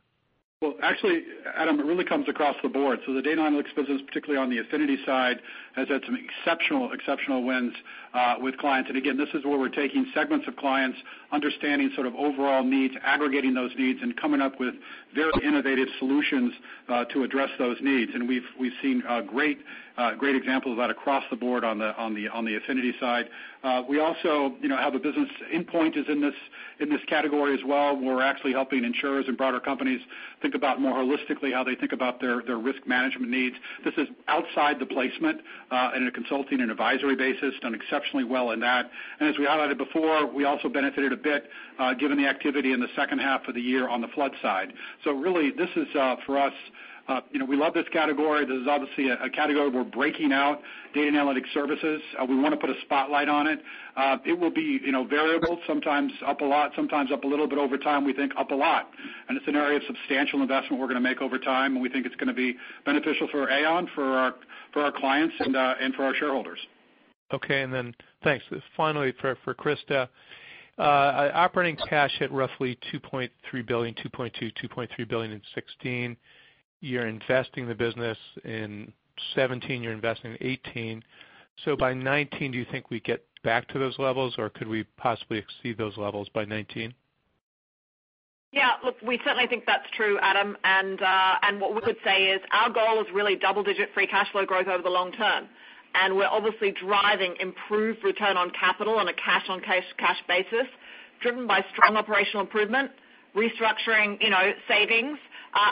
B: Well, actually, Adam, it really comes across the board. The data analytics business, particularly on the affinity side, has had some exceptional wins with clients. Again, this is where we're taking segments of clients, understanding overall needs, aggregating those needs, and coming up with very innovative solutions to address those needs. We've seen great examples of that across the board on the affinity side. We also have a business, InPoint is in this category as well. We're actually helping insurers and broader companies think about more holistically how they think about their risk management needs. This is outside the placement, in a consulting and advisory basis, done exceptionally well in that. As we highlighted before, we also benefited a bit given the activity in the second half of the year on the flood side. Really, this is for us. We love this category. This is obviously a category we're breaking out, Data & Analytic Services. We want to put a spotlight on it. It will be variable, sometimes up a lot, sometimes up a little, but over time, we think up a lot. It's an area of substantial investment we're going to make over time, and we think it's going to be beneficial for Aon, for our clients, and for our shareholders.
F: Thanks. Finally, for Christa. Operating cash hit roughly $2.3 billion, $2.2 billion-$2.3 billion in 2016. You're investing the business in 2017, you're investing in 2018. By 2019, do you think we get back to those levels, or could we possibly exceed those levels by 2019?
C: Yeah, look, we certainly think that's true, Adam. What we would say is our goal is really double-digit free cash flow growth over the long term. We're obviously driving improved return on capital on a cash-on-cash basis, driven by strong operational improvement, restructuring savings,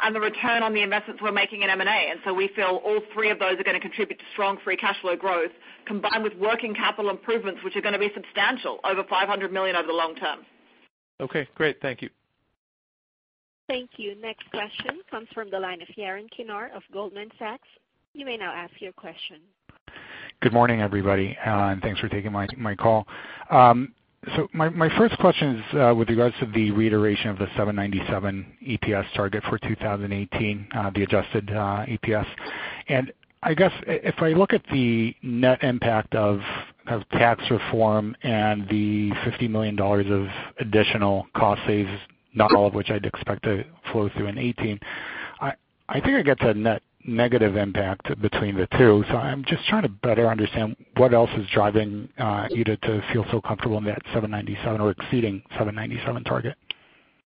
C: and the return on the investments we're making in M&A. We feel all three of those are going to contribute to strong free cash flow growth, combined with working capital improvements, which are going to be substantial, over $500 million over the long term.
F: Okay, great. Thank you.
A: Thank you. Next question comes from the line of Yaron Kinar of Goldman Sachs. You may now ask your question.
G: Good morning, everybody. Thanks for taking my call. My first question is with regards to the reiteration of the $7.97 EPS target for 2018, the adjusted EPS. I guess if I look at the net impact of tax reform and the $50 million of additional cost saves, not all of which I'd expect to flow through in 2018, I think I get to a net negative impact between the two. I'm just trying to better understand what else is driving you to feel so comfortable in that $7.97 or exceeding $7.97 target.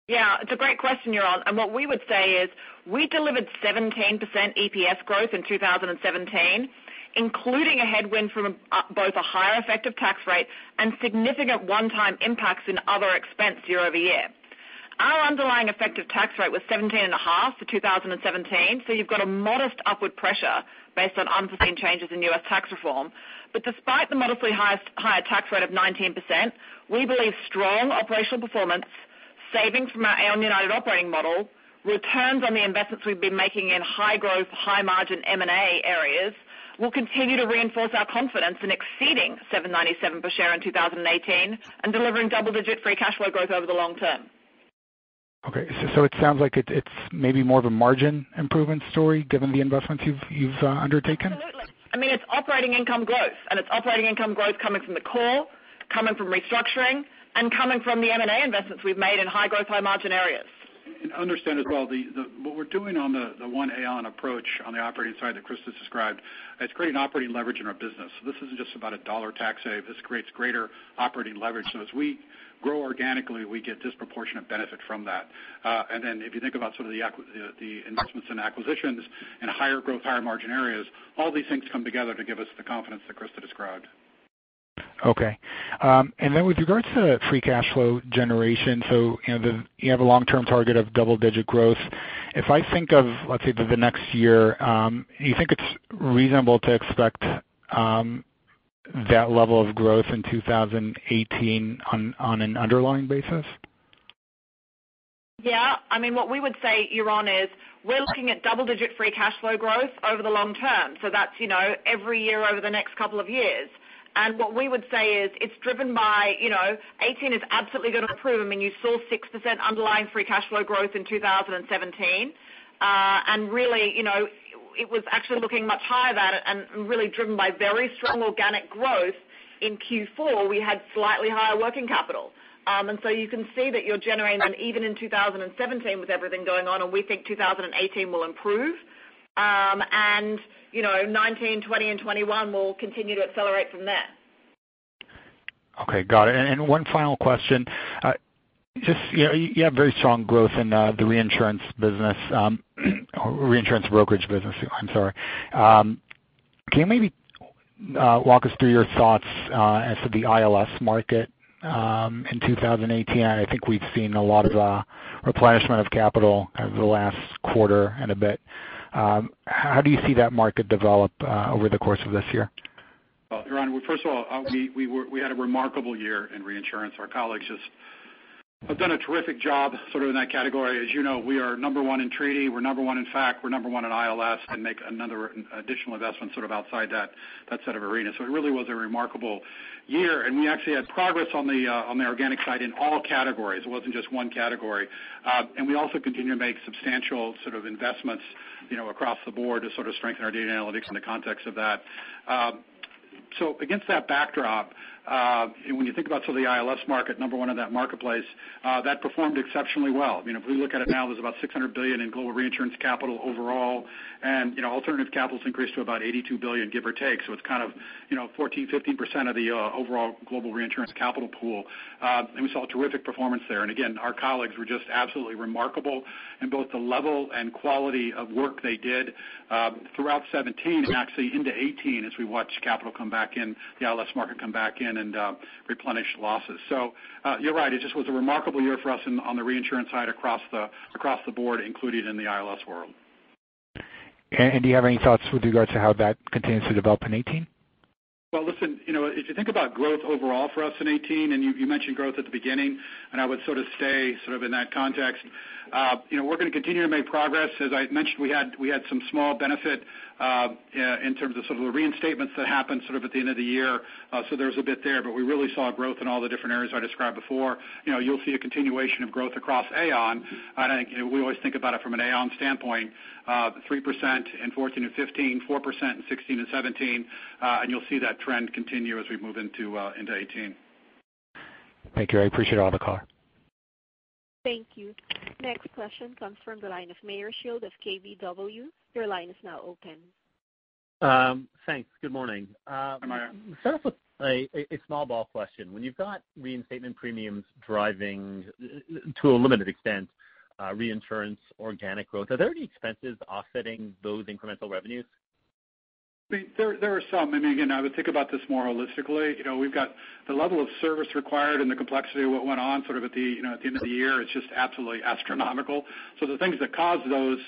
C: Yeah, it's a great question, Yaron. What we would say is we delivered 17% EPS growth in 2017, including a headwind from both a higher effective tax rate and significant one-time impacts in other expense year-over-year. Our underlying effective tax rate was 17.5% for 2017, you've got a modest upward pressure based on unforeseen changes in U.S. tax reform. Despite the modestly higher tax rate of 19%, we believe strong operational performance, savings from our Aon United operating model, returns on the investments we've been making in high growth, high margin M&A areas will continue to reinforce our confidence in exceeding $7.97 per share in 2018 and delivering double-digit free cash flow growth over the long term.
G: Okay. It sounds like it's maybe more of a margin improvement story given the investments you've undertaken?
C: Absolutely. It's operating income growth. It's operating income growth coming from the core, coming from restructuring, and coming from the M&A investments we've made in high growth, high margin areas.
B: Understand as well what we're doing on the Aon United approach on the operating side that Christa described, it's creating operating leverage in our business. This isn't just about a dollar tax save, this creates greater operating leverage. As we grow organically, we get disproportionate benefit from that. Then if you think about some of the investments and acquisitions in higher growth, higher margin areas, all these things come together to give us the confidence that Christa described.
G: Okay. Then with regards to free cash flow generation, you have a long term target of double-digit growth. If I think of, let's say the next year, do you think it's reasonable to expect that level of growth in 2018 on an underlying basis?
C: Yeah. What we would say, Yaron, is we're looking at double-digit free cash flow growth over the long term. That's every year over the next couple of years. What we would say is it's driven by 2018 is absolutely going to improve. You saw 6% underlying free cash flow growth in 2017. Really, it was actually looking much higher than that and really driven by very strong organic growth. In Q4, we had slightly higher working capital. You can see that you're generating even in 2017 with everything going on, we think 2018 will improve. 2019, 2020, and 2021 will continue to accelerate from there.
G: Okay. Got it. One final question. Just you have very strong growth in the Reinsurance Solutions business. Can you maybe walk us through your thoughts as to the ILS market in 2018? I think we've seen a lot of replenishment of capital over the last quarter and a bit. How do you see that market develop over the course of this year?
B: Well, Yaron, first of all, we had a remarkable year in reinsurance. Our colleagues have done a terrific job in that category. As you know, we are number one in treaty, we're number one in fact, we're number one in ILS, and make another additional investment outside that set of arenas. It really was a remarkable year, and we actually had progress on the organic side in all categories. It wasn't just one category. We also continue to make substantial investments across the board to strengthen our data analytics in the context of that. Against that backdrop, when you think about some of the ILS market, number one in that marketplace, that performed exceptionally well. If we look at it now, there's about $600 billion in global reinsurance capital overall, and alternative capital's increased to about $82 billion, give or take. It's 14%-15% of the overall global reinsurance capital pool. We saw terrific performance there. Again, our colleagues were just absolutely remarkable in both the level and quality of work they did throughout 2017 and actually into 2018 as we watched capital come back in, the ILS market come back in, and replenish losses. You're right, it just was a remarkable year for us on the reinsurance side across the board, including in the ILS world.
G: Do you have any thoughts with regards to how that continues to develop in 2018?
B: Well, listen, if you think about growth overall for us in 2018, you mentioned growth at the beginning, I would stay in that context. We're going to continue to make progress. As I mentioned, we had some small benefit in terms of the reinstatements that happened at the end of the year. There's a bit there, but we really saw growth in all the different areas I described before. You'll see a continuation of growth across Aon, I think we always think about it from an Aon standpoint. 3% in 2014 and 2015, 4% in 2016 and 2017, you'll see that trend continue as we move into 2018.
G: Thank you. I appreciate all the color.
A: Thank you. Next question comes from the line of Meyer Shields of KBW. Your line is now open.
H: Thanks. Good morning.
B: Hi, Meyer.
H: Let's start off with a small ball question. When you've got reinstatement premiums driving, to a limited extent, reinsurance organic growth, are there any expenses offsetting those incremental revenues?
B: There are some. I would think about this more holistically. We've got the level of service required and the complexity of what went on at the end of the year, it's just absolutely astronomical. The things that cause those,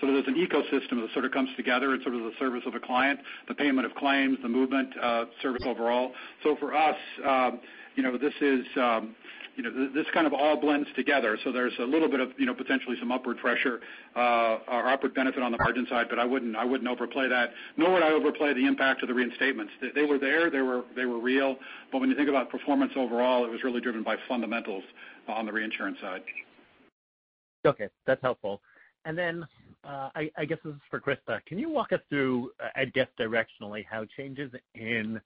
B: there's an ecosystem that comes together in the service of a client, the payment of claims, the movement, service overall. For us, this all blends together. There's a little bit of potentially some upward pressure or upward benefit on the margin side, but I wouldn't overplay that, nor would I overplay the impact of the reinstatements. They were there, they were real. When you think about performance overall, it was really driven by fundamentals on the Reinsurance side.
H: Okay. That's helpful. I guess this is for Christa. Can you walk us through, I guess directionally, how changes in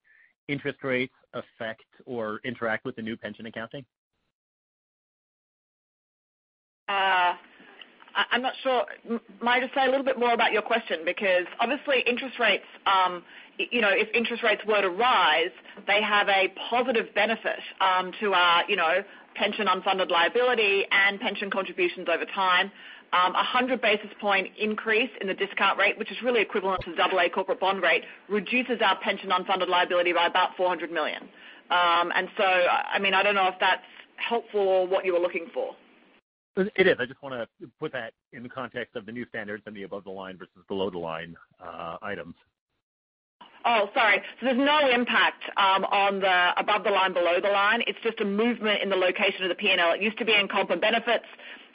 H: interest rates affect or interact with the new pension accounting?
C: I'm not sure. Meyer, just say a little bit more about your question, because obviously if interest rates were to rise, they have a positive benefit to our pension unfunded liability and pension contributions over time. A 100 basis point increase in the discount rate, which is really equivalent to AA corporate bond rate, reduces our pension unfunded liability by about $400 million. I don't know if that's helpful or what you were looking for.
H: It is. I just want to put that in the context of the new standards and the above the line versus below the line items.
C: Oh, sorry. There's no impact on the above the line, below the line. It's just a movement in the location of the P&L. It used to be in comp and benefits.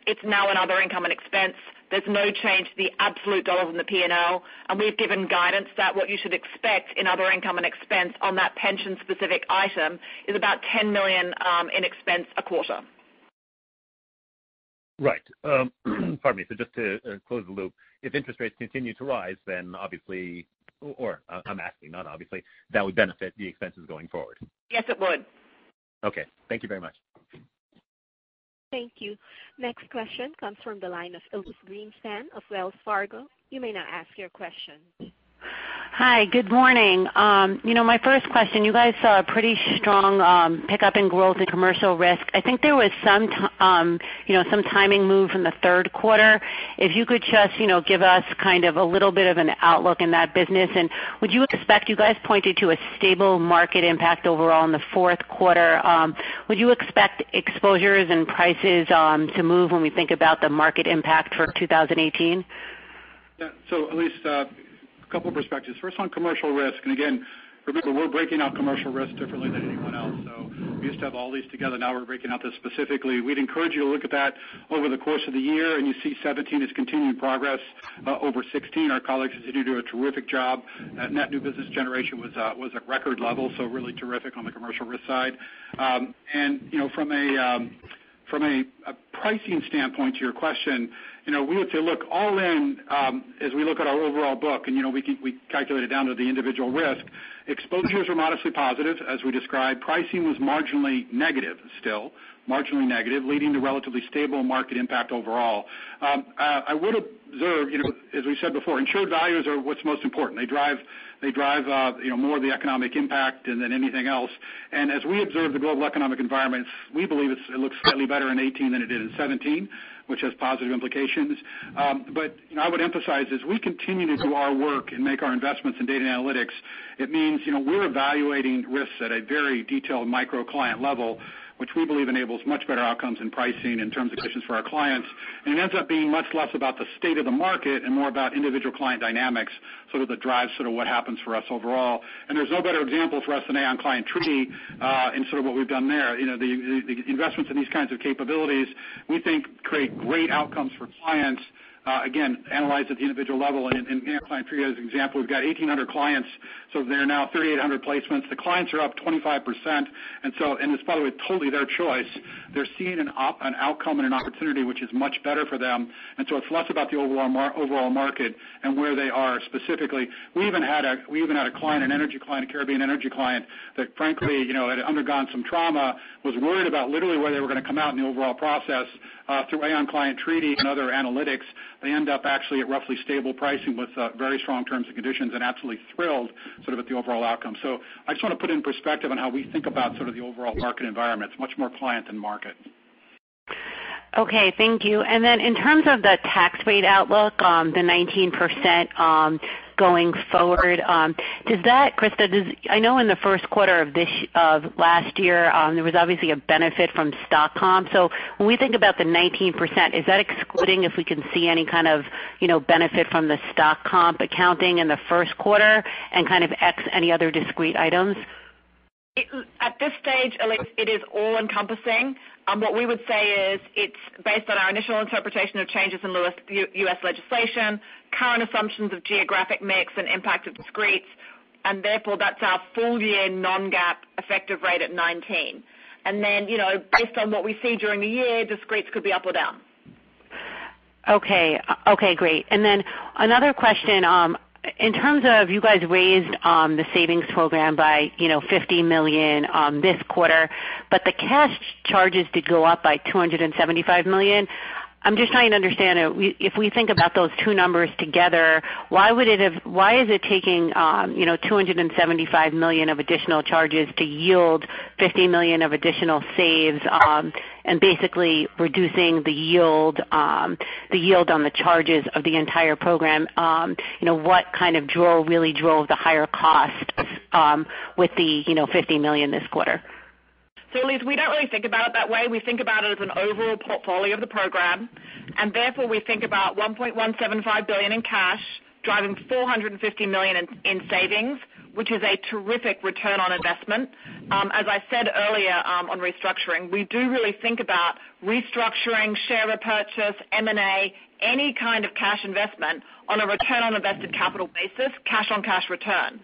C: It's now in other income and expense. There's no change to the absolute dollars in the P&L, and we've given guidance that what you should expect in other income and expense on that pension specific item is about $10 million in expense a quarter.
H: Right. Pardon me. Just to close the loop, if interest rates continue to rise, Or I'm asking, not obviously, that would benefit the expenses going forward?
C: Yes, it would.
H: Okay. Thank you very much.
A: Thank you. Next question comes from the line of Elyse Greenspan of Wells Fargo. You may now ask your question.
I: Hi. Good morning. My first question, you guys saw a pretty strong pickup in growth in Commercial Risk. I think there was some timing move from the third quarter. If you could just give us a little bit of an outlook in that business, and you guys pointed to a stable market impact overall in the fourth quarter, would you expect exposures and prices to move when we think about the market impact for 2018?
B: Yeah. Elyse, a couple perspectives. First, on Commercial Risk, and again, remember, we're breaking out Commercial Risk differently than anyone else. We used to have all these together. Now we're breaking out this specifically. We'd encourage you to look at that over the course of the year, and you see 2017 is continuing progress over 2016. Our colleagues continue to do a terrific job. Net new business generation was at record levels, so really terrific on the Commercial Risk side. From a pricing standpoint to your question, we have to look all in as we look at our overall book, and we calculate it down to the individual risk. Exposures were modestly positive, as we described. Pricing was marginally negative still, leading to relatively stable market impact overall. I would observe, as we said before, insured values are what's most important. They drive more of the economic impact than anything else. As we observe the global economic environments, we believe it looks slightly better in 2018 than it did in 2017, which has positive implications. I would emphasize, as we continue to do our work and make our investments in data and analytics, it means we're evaluating risks at a very detailed micro client level, which we believe enables much better outcomes in pricing and terms and conditions for our clients. It ends up being much less about the state of the market and more about individual client dynamics, that drives what happens for us overall. There's no better example for us than Aon Client Treaty, and what we've done there. The investments in these kinds of capabilities, we think create great outcomes for clients, again, analyzed at the individual level. Aon Client Treaty, as an example, we've got 1,800 clients, there are now 3,800 placements. The clients are up 25%, it's by the way, totally their choice. They're seeing an outcome and an opportunity which is much better for them. It's less about the overall market and where they are specifically. We even had a client, an energy client, a Caribbean energy client, that frankly had undergone some trauma, was worried about literally where they were going to come out in the overall process. Through Aon Client Treaty and other analytics, they end up actually at roughly stable pricing with very strong terms and conditions and absolutely thrilled at the overall outcome. I just want to put it in perspective on how we think about the overall market environment. It's much more client than market.
I: Okay, thank you. In terms of the tax rate outlook, the 19% going forward, Christa, I know in the first quarter of last year, there was obviously a benefit from stock comp. When we think about the 19%, is that excluding if we can see any kind of benefit from the stock comp accounting in the first quarter and kind of X any other discrete items?
C: At this stage, Elyse, it is all-encompassing. What we would say is it's based on our initial interpretation of changes in U.S. legislation, current assumptions of geographic mix, and impact of discretes, therefore, that's our full-year non-GAAP effective rate at 19%. Based on what we see during the year, discretes could be up or down.
I: Okay, great. Another question. In terms of you guys raised the savings program by $50 million this quarter, the cash charges did go up by $275 million. I'm just trying to understand, if we think about those two numbers together, why is it taking $275 million of additional charges to yield $50 million of additional saves and basically reducing the yield on the charges of the entire program? What really drove the higher costs with the $50 million this quarter?
C: Elyse, we don't really think about it that way. We think about it as an overall portfolio of the program, therefore, we think about $1.175 billion in cash driving $450 million in savings, which is a terrific return on investment. As I said earlier on restructuring, we do really think about restructuring, share repurchase, M&A, any kind of cash investment on a return on invested capital basis, cash on cash return.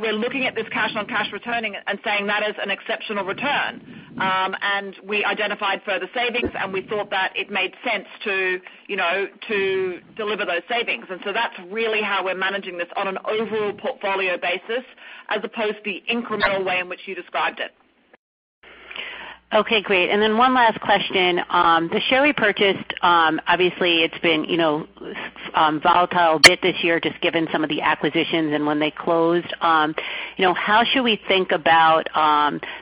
C: We're looking at this cash on cash returning and saying that is an exceptional return. We identified further savings, we thought that it made sense to deliver those savings. That's really how we're managing this on an overall portfolio basis as opposed to the incremental way in which you described it.
I: Okay, great. One last question. The share repurchase, obviously it's been volatile a bit this year just given some of the acquisitions and when they closed. How should we think about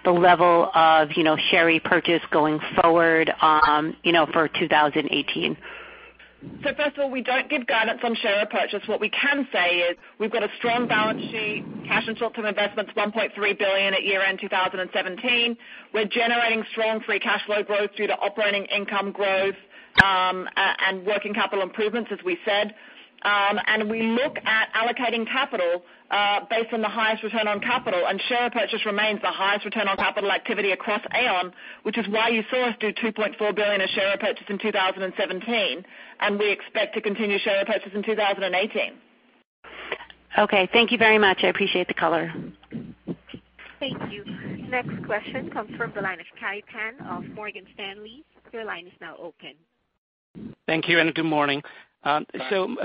I: the level of share repurchase going forward for 2018?
C: First of all, we don't give guidance on share repurchase. What we can say is we've got a strong balance sheet, cash and short-term investments $1.3 billion at year-end 2017. We're generating strong free cash flow growth due to operating income growth and working capital improvements, as we said. We look at allocating capital based on the highest return on capital, share repurchase remains the highest return on capital activity across Aon, which is why you saw us do $2.4 billion of share repurchase in 2017. We expect to continue share repurchase in 2018.
I: Okay, thank you very much. I appreciate the color.
A: Thank you. Next question comes from the line of Kai Pan of Morgan Stanley. Your line is now open.
J: Thank you,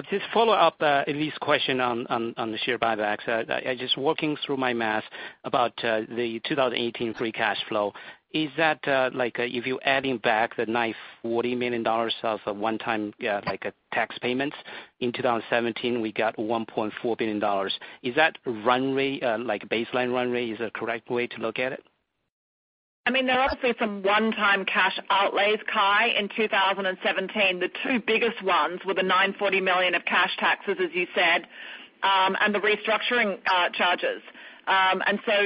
J: just follow up Elyse question on the share buybacks. Just working through my math about the 2018 free cash flow. Is that if you're adding back the $940 million of one time, a tax payment? In 2017, we got $1.4 billion. Is that runway, baseline runway is the correct way to look at it?
C: I mean, there are obviously some one-time cash outlays, Kai, in 2017. The two biggest ones were the $940 million of cash taxes, as you said, and the restructuring charges.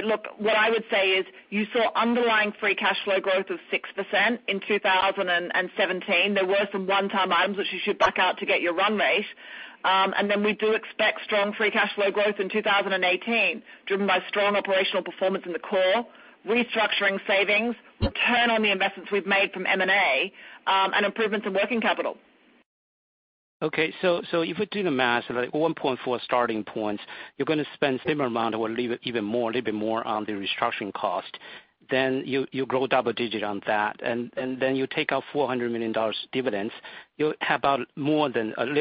C: Look, what I would say is you saw underlying free cash flow growth of 6% in 2017. There were some one-time items which you should back out to get your run rate. Then we do expect strong free cash flow growth in 2018, driven by strong operational performance in the core, restructuring savings, return on the investments we've made from M&A, and improvements in working capital.
J: Okay, if we do the math at 1.4 starting points, you're going to spend similar amount or a little bit more on the restructuring cost. You grow double digit on that, you take out $400 million dividends. You have a little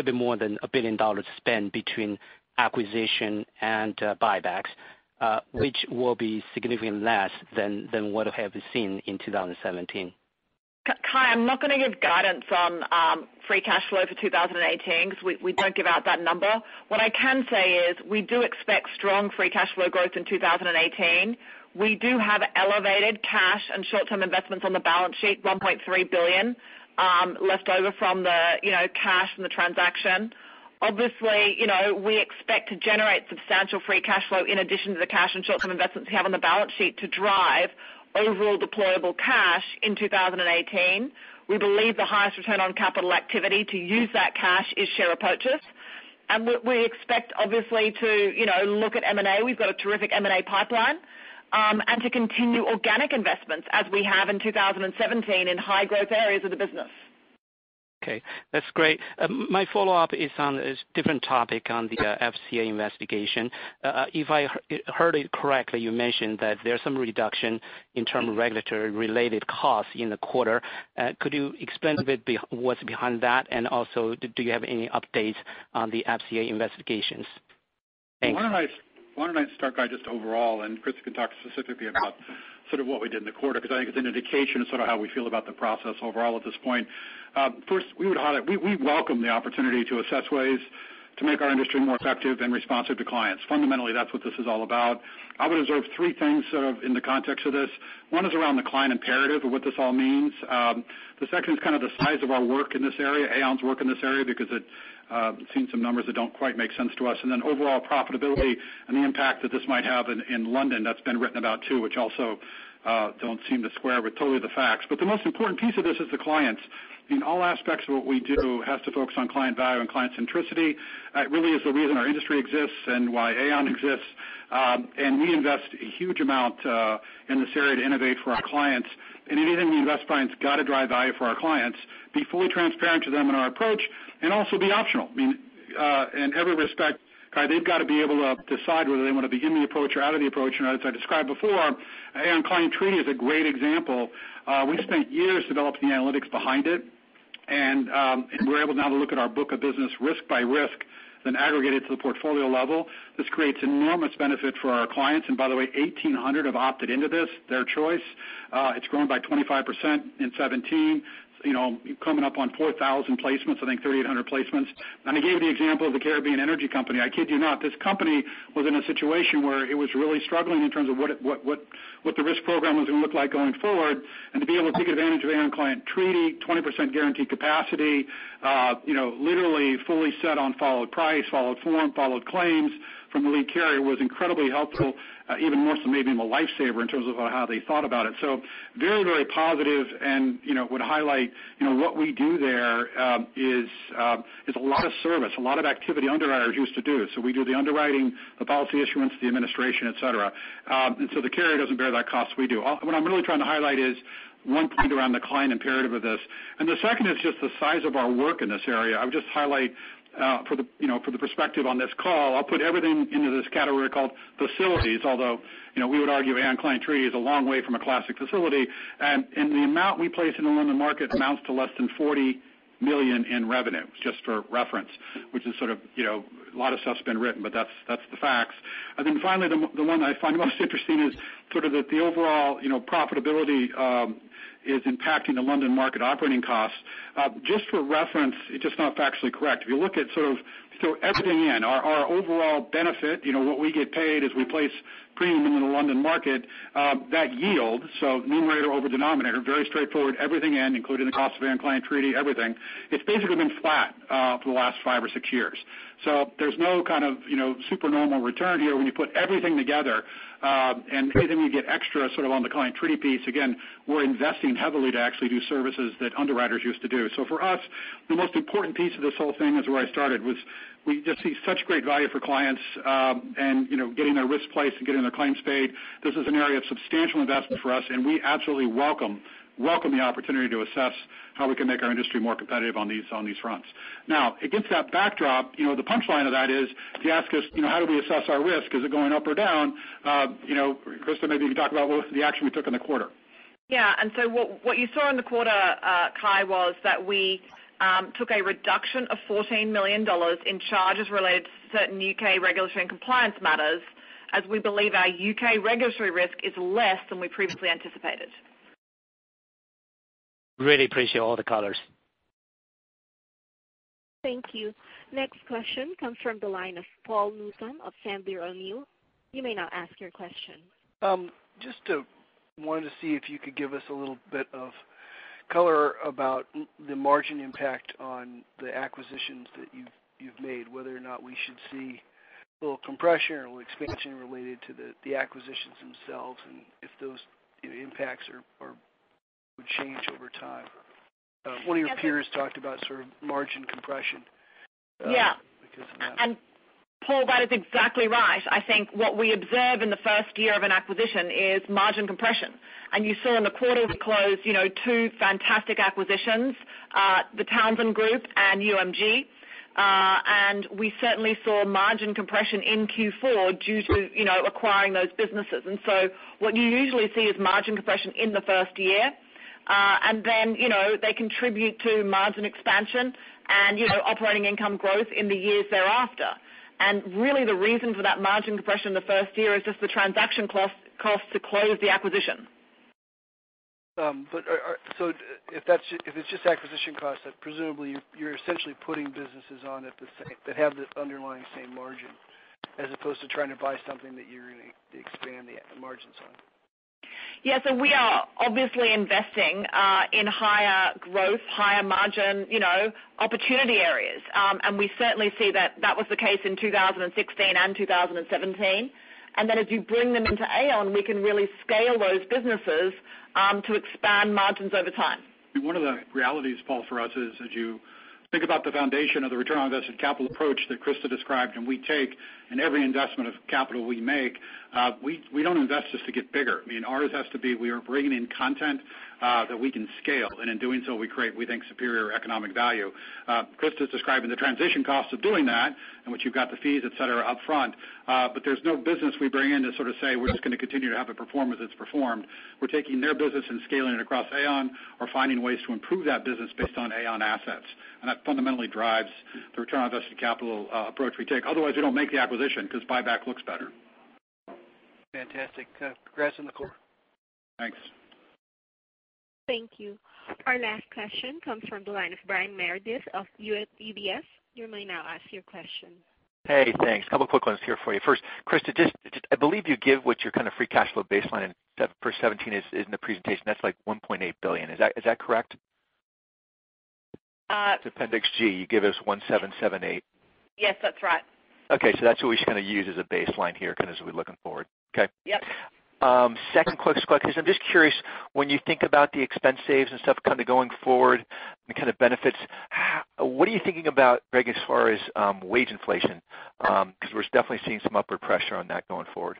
J: bit more than $1 billion spent between acquisition and buybacks, which will be significantly less than what we have seen in 2017.
C: Kai, I'm not going to give guidance on free cash flow for 2018 because we don't give out that number. What I can say is we do expect strong free cash flow growth in 2018. We do have elevated cash and short-term investments on the balance sheet, $1.3 billion, left over from the cash from the transaction. Obviously, we expect to generate substantial free cash flow in addition to the cash and short-term investments we have on the balance sheet to drive overall deployable cash in 2018. We believe the highest return on capital activity to use that cash is share purchase. We expect obviously to look at M&A. We've got a terrific M&A pipeline, and to continue organic investments as we have in 2017 in high growth areas of the business.
J: Okay, that's great. My follow-up is on a different topic on the FCA investigation. If I heard it correctly, you mentioned that there's some reduction in term regulatory related costs in the quarter. Could you explain a bit what's behind that? Do you have any updates on the FCA investigations? Thanks.
B: Why don't I start by just overall, Christa can talk specifically about sort of what we did in the quarter, because I think it's an indication of sort of how we feel about the process overall at this point. First, we welcome the opportunity to assess ways to make our industry more effective and responsive to clients. Fundamentally, that's what this is all about. I would observe three things sort of in the context of this. One is around the client imperative of what this all means. The second is kind of the size of our work in this area, Aon's work in this area, because it seen some numbers that don't quite make sense to us, overall profitability and the impact that this might have in London. That's been written about too, which also don't seem to square with totally the facts. The most important piece of this is the clients. In all aspects of what we do has to focus on client value and client centricity. It really is the reason our industry exists and why Aon exists. We invest a huge amount in this area to innovate for our clients. Anything we invest by, it's got to drive value for our clients, be fully transparent to them in our approach, and also be optional. I mean, in every respect, Kai, they've got to be able to decide whether they want to be in the approach or out of the approach. As I described before, Aon Client Treaty is a great example. We spent years developing the analytics behind it, and we're able now to look at our book of business risk by risk, then aggregate it to the portfolio level. This creates enormous benefit for our clients. By the way, 1,800 have opted into this, their choice. It's grown by 25% in 2017. Coming up on 4,000 placements, I think 3,800 placements. I gave you the example of the Caribbean Energy Company. I kid you not. This company was in a situation where it was really struggling in terms of what the risk program was going to look like going forward. To be able to take advantage of the Aon Client Treaty, 20% guaranteed capacity, literally fully set on followed price, followed form, followed claims from the lead carrier was incredibly helpful. Even more so maybe even a lifesaver in terms of how they thought about it. Very, very positive and would highlight what we do there is a lot of service, a lot of activity underwriters used to do. We do the underwriting, the policy issuance, the administration, et cetera. The carrier doesn't bear that cost, we do. What I'm really trying to highlight is one point around the client imperative of this. The second is just the size of our work in this area. I would just highlight for the perspective on this call, I'll put everything into this category called facilities. Although, we would argue Aon Client Treaty is a long way from a classic facility, the amount we place in the London market amounts to less than $40 million in revenue, just for reference, which is sort of a lot of stuff's been written, but that's the facts. Then finally, the one I find most interesting is sort of that the overall profitability is impacting the London market operating costs. Just for reference, it's just not factually correct. If you look at sort of everything in our overall benefit, what we get paid as we place premium into the London market, that yield, numerator over denominator, very straightforward, everything in, including the cost of Aon Client Treaty, everything. It's basically been flat for the last five or six years. There's no kind of super normal return here when you put everything together. Anything you get extra sort of on the client treaty piece, again, we're investing heavily to actually do services that underwriters used to do. For us, the most important piece of this whole thing is where I started, was we just see such great value for clients and getting their risk placed and getting their claims paid. This is an area of substantial investment for us, we absolutely welcome the opportunity to assess how we can make our industry more competitive on these fronts. Now, against that backdrop, the punchline of that is if you ask us how do we assess our risk? Is it going up or down? Christa, maybe you can talk about the action we took in the quarter.
C: Yeah. What you saw in the quarter, Kai, was that we took a reduction of $14 million in charges related to certain U.K. regulatory and compliance matters as we believe our U.K. regulatory risk is less than we previously anticipated.
J: Really appreciate all the colors.
A: Thank you. Next question comes from the line of Paul Newsome of Sandler O'Neill. You may now ask your question.
K: Just wanted to see if you could give us a little bit of color about the margin impact on the acquisitions that you've made, whether or not we should see a little compression or expansion related to the acquisitions themselves, and if those impacts would change over time. One of your peers talked about margin compression.
C: Yeah.
K: Because of that.
C: Paul, that is exactly right. I think what we observe in the first year of an acquisition is margin compression. You saw in the quarter we closed two fantastic acquisitions, The Townsend Group and UMG. We certainly saw margin compression in Q4 due to acquiring those businesses. What you usually see is margin compression in the first year, and then they contribute to margin expansion and operating income growth in the years thereafter. Really the reason for that margin compression in the first year is just the transaction cost to close the acquisition.
K: If it's just acquisition costs, then presumably you're essentially putting businesses on that have the underlying same margin as opposed to trying to buy something that you're going to expand the margins on.
C: We are obviously investing in higher growth, higher margin opportunity areas. We certainly see that that was the case in 2016 and 2017. As you bring them into Aon, we can really scale those businesses to expand margins over time.
B: One of the realities, Paul, for us is, as you think about the foundation of the return on invested capital approach that Christa described, we take in every investment of capital we make, we don't invest just to get bigger. Ours has to be, we are bringing in content that we can scale. In doing so, we create, we think, superior economic value. Christa's describing the transition costs of doing that in which you've got the fees, et cetera, up front. There's no business we bring in to say, "We're just going to continue to have it perform as it's performed." We're taking their business and scaling it across Aon or finding ways to improve that business based on Aon assets. That fundamentally drives the return on invested capital approach we take. Otherwise, we don't make the acquisition because buyback looks better.
K: Fantastic. Congrats on the quarter.
B: Thanks.
A: Thank you. Our last question comes from the line of Brian Meredith of UBS. You may now ask your question.
L: Hey, thanks. A couple quick ones here for you. First, Christa, I believe you give what your kind of free cash flow baseline for 2017 is in the presentation. That's like $1.8 billion. Is that correct? It's Appendix G. You give us $1,778.
C: Yes, that's right.
L: Okay. That's what we should use as a baseline here as we're looking forward. Okay.
C: Yep.
L: Second quick question. I'm just curious, when you think about the expense saves and stuff going forward and the kind of benefits, what are you thinking about, Greg, as far as wage inflation? We're definitely seeing some upward pressure on that going forward.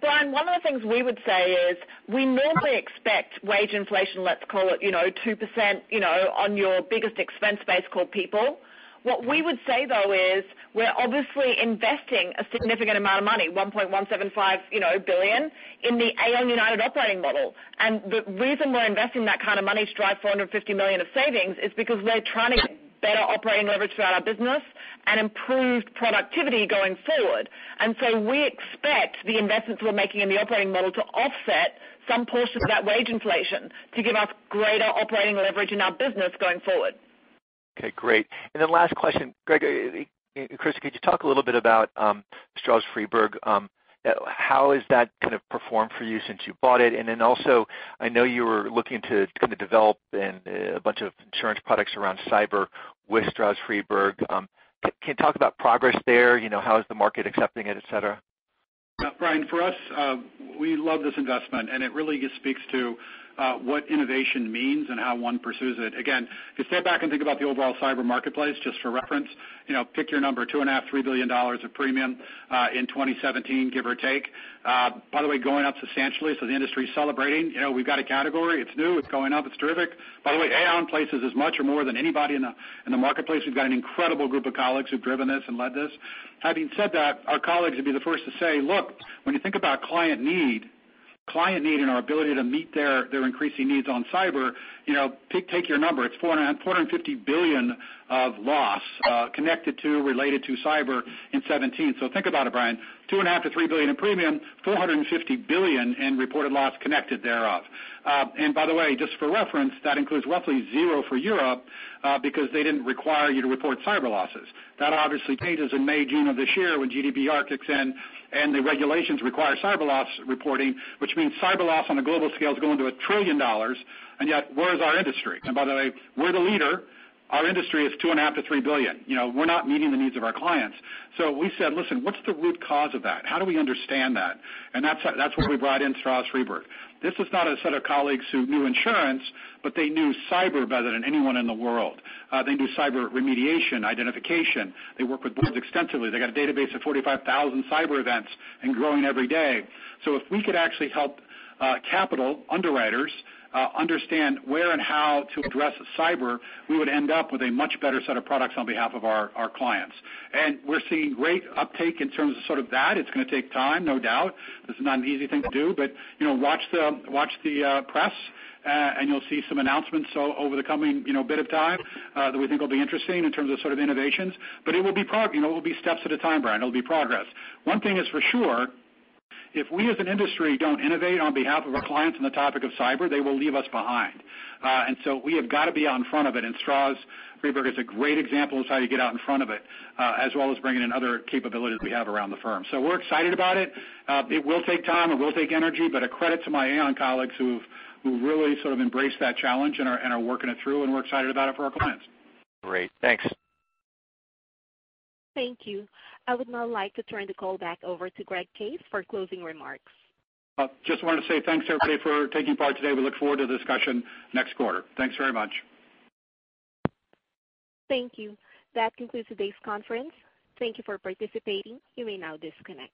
C: Brian, one of the things we would say is we normally expect wage inflation, let's call it 2% on your biggest expense base called people. What we would say though is we're obviously investing a significant amount of money, $1.175 billion in the Aon United operating model. The reason we're investing that kind of money to drive $450 million of savings is because we're trying to get better operating leverage throughout our business and improved productivity going forward. We expect the investments we're making in the operating model to offset some portion of that wage inflation to give us greater operating leverage in our business going forward.
L: Okay, great. Last question. Greg, Christa, could you talk a little bit about Stroz Friedberg? How has that performed for you since you bought it? Also, I know you were looking to develop a bunch of insurance products around cyber with Stroz Friedberg. Can you talk about progress there? How is the market accepting it, et cetera?
B: Brian, for us, we love this investment. It really just speaks to what innovation means and how one pursues it. If you step back and think about the overall cyber marketplace, just for reference, pick your number, $2.5, $3 billion of premium in 2017, give or take. By the way, going up substantially, the industry's celebrating. We've got a category, it's new, it's going up, it's terrific. By the way, Aon places as much or more than anybody in the marketplace. We've got an incredible group of colleagues who've driven this and led this. Having said that, our colleagues would be the first to say, look, when you think about client need and our ability to meet their increasing needs on cyber, take your number. It's $450 billion of loss connected to, related to cyber in 2017. Think about it, Brian, $2.5 billion to $3 billion in premium, $450 billion in reported loss connected thereof. By the way, just for reference, that includes roughly zero for Europe because they didn't require you to report cyber losses. That obviously changes in May, June of this year when GDPR kicks in and the regulations require cyber loss reporting, which means cyber loss on a global scale is going to $1 trillion, yet, where's our industry? By the way, we're the leader. Our industry is $2.5 billion to $3 billion. We're not meeting the needs of our clients. We said, "Listen, what's the root cause of that? How do we understand that?" That's why we brought in Stroz Friedberg. This is not a set of colleagues who knew insurance, but they knew cyber better than anyone in the world. They knew cyber remediation, identification. They work with boards extensively. They got a database of 45,000 cyber events and growing every day. If we could actually help capital underwriters understand where and how to address cyber, we would end up with a much better set of products on behalf of our clients. We're seeing great uptake in terms of that. It's going to take time, no doubt. This is not an easy thing to do, but watch the press and you'll see some announcements over the coming bit of time that we think will be interesting in terms of innovations. It will be steps at a time, Brian. It'll be progress. One thing is for sure, if we as an industry don't innovate on behalf of our clients on the topic of cyber, they will leave us behind. We have got to be out in front of it, and Stroz Friedberg is a great example of how you get out in front of it, as well as bringing in other capabilities we have around the firm. We're excited about it. It will take time, it will take energy, but a credit to my Aon colleagues who really embraced that challenge and are working it through, and we're excited about it for our clients.
L: Great. Thanks.
A: Thank you. I would now like to turn the call back over to Greg Case for closing remarks.
B: Just wanted to say thanks everybody for taking part today. We look forward to the discussion next quarter. Thanks very much.
A: Thank you. That concludes today's conference. Thank you for participating. You may now disconnect.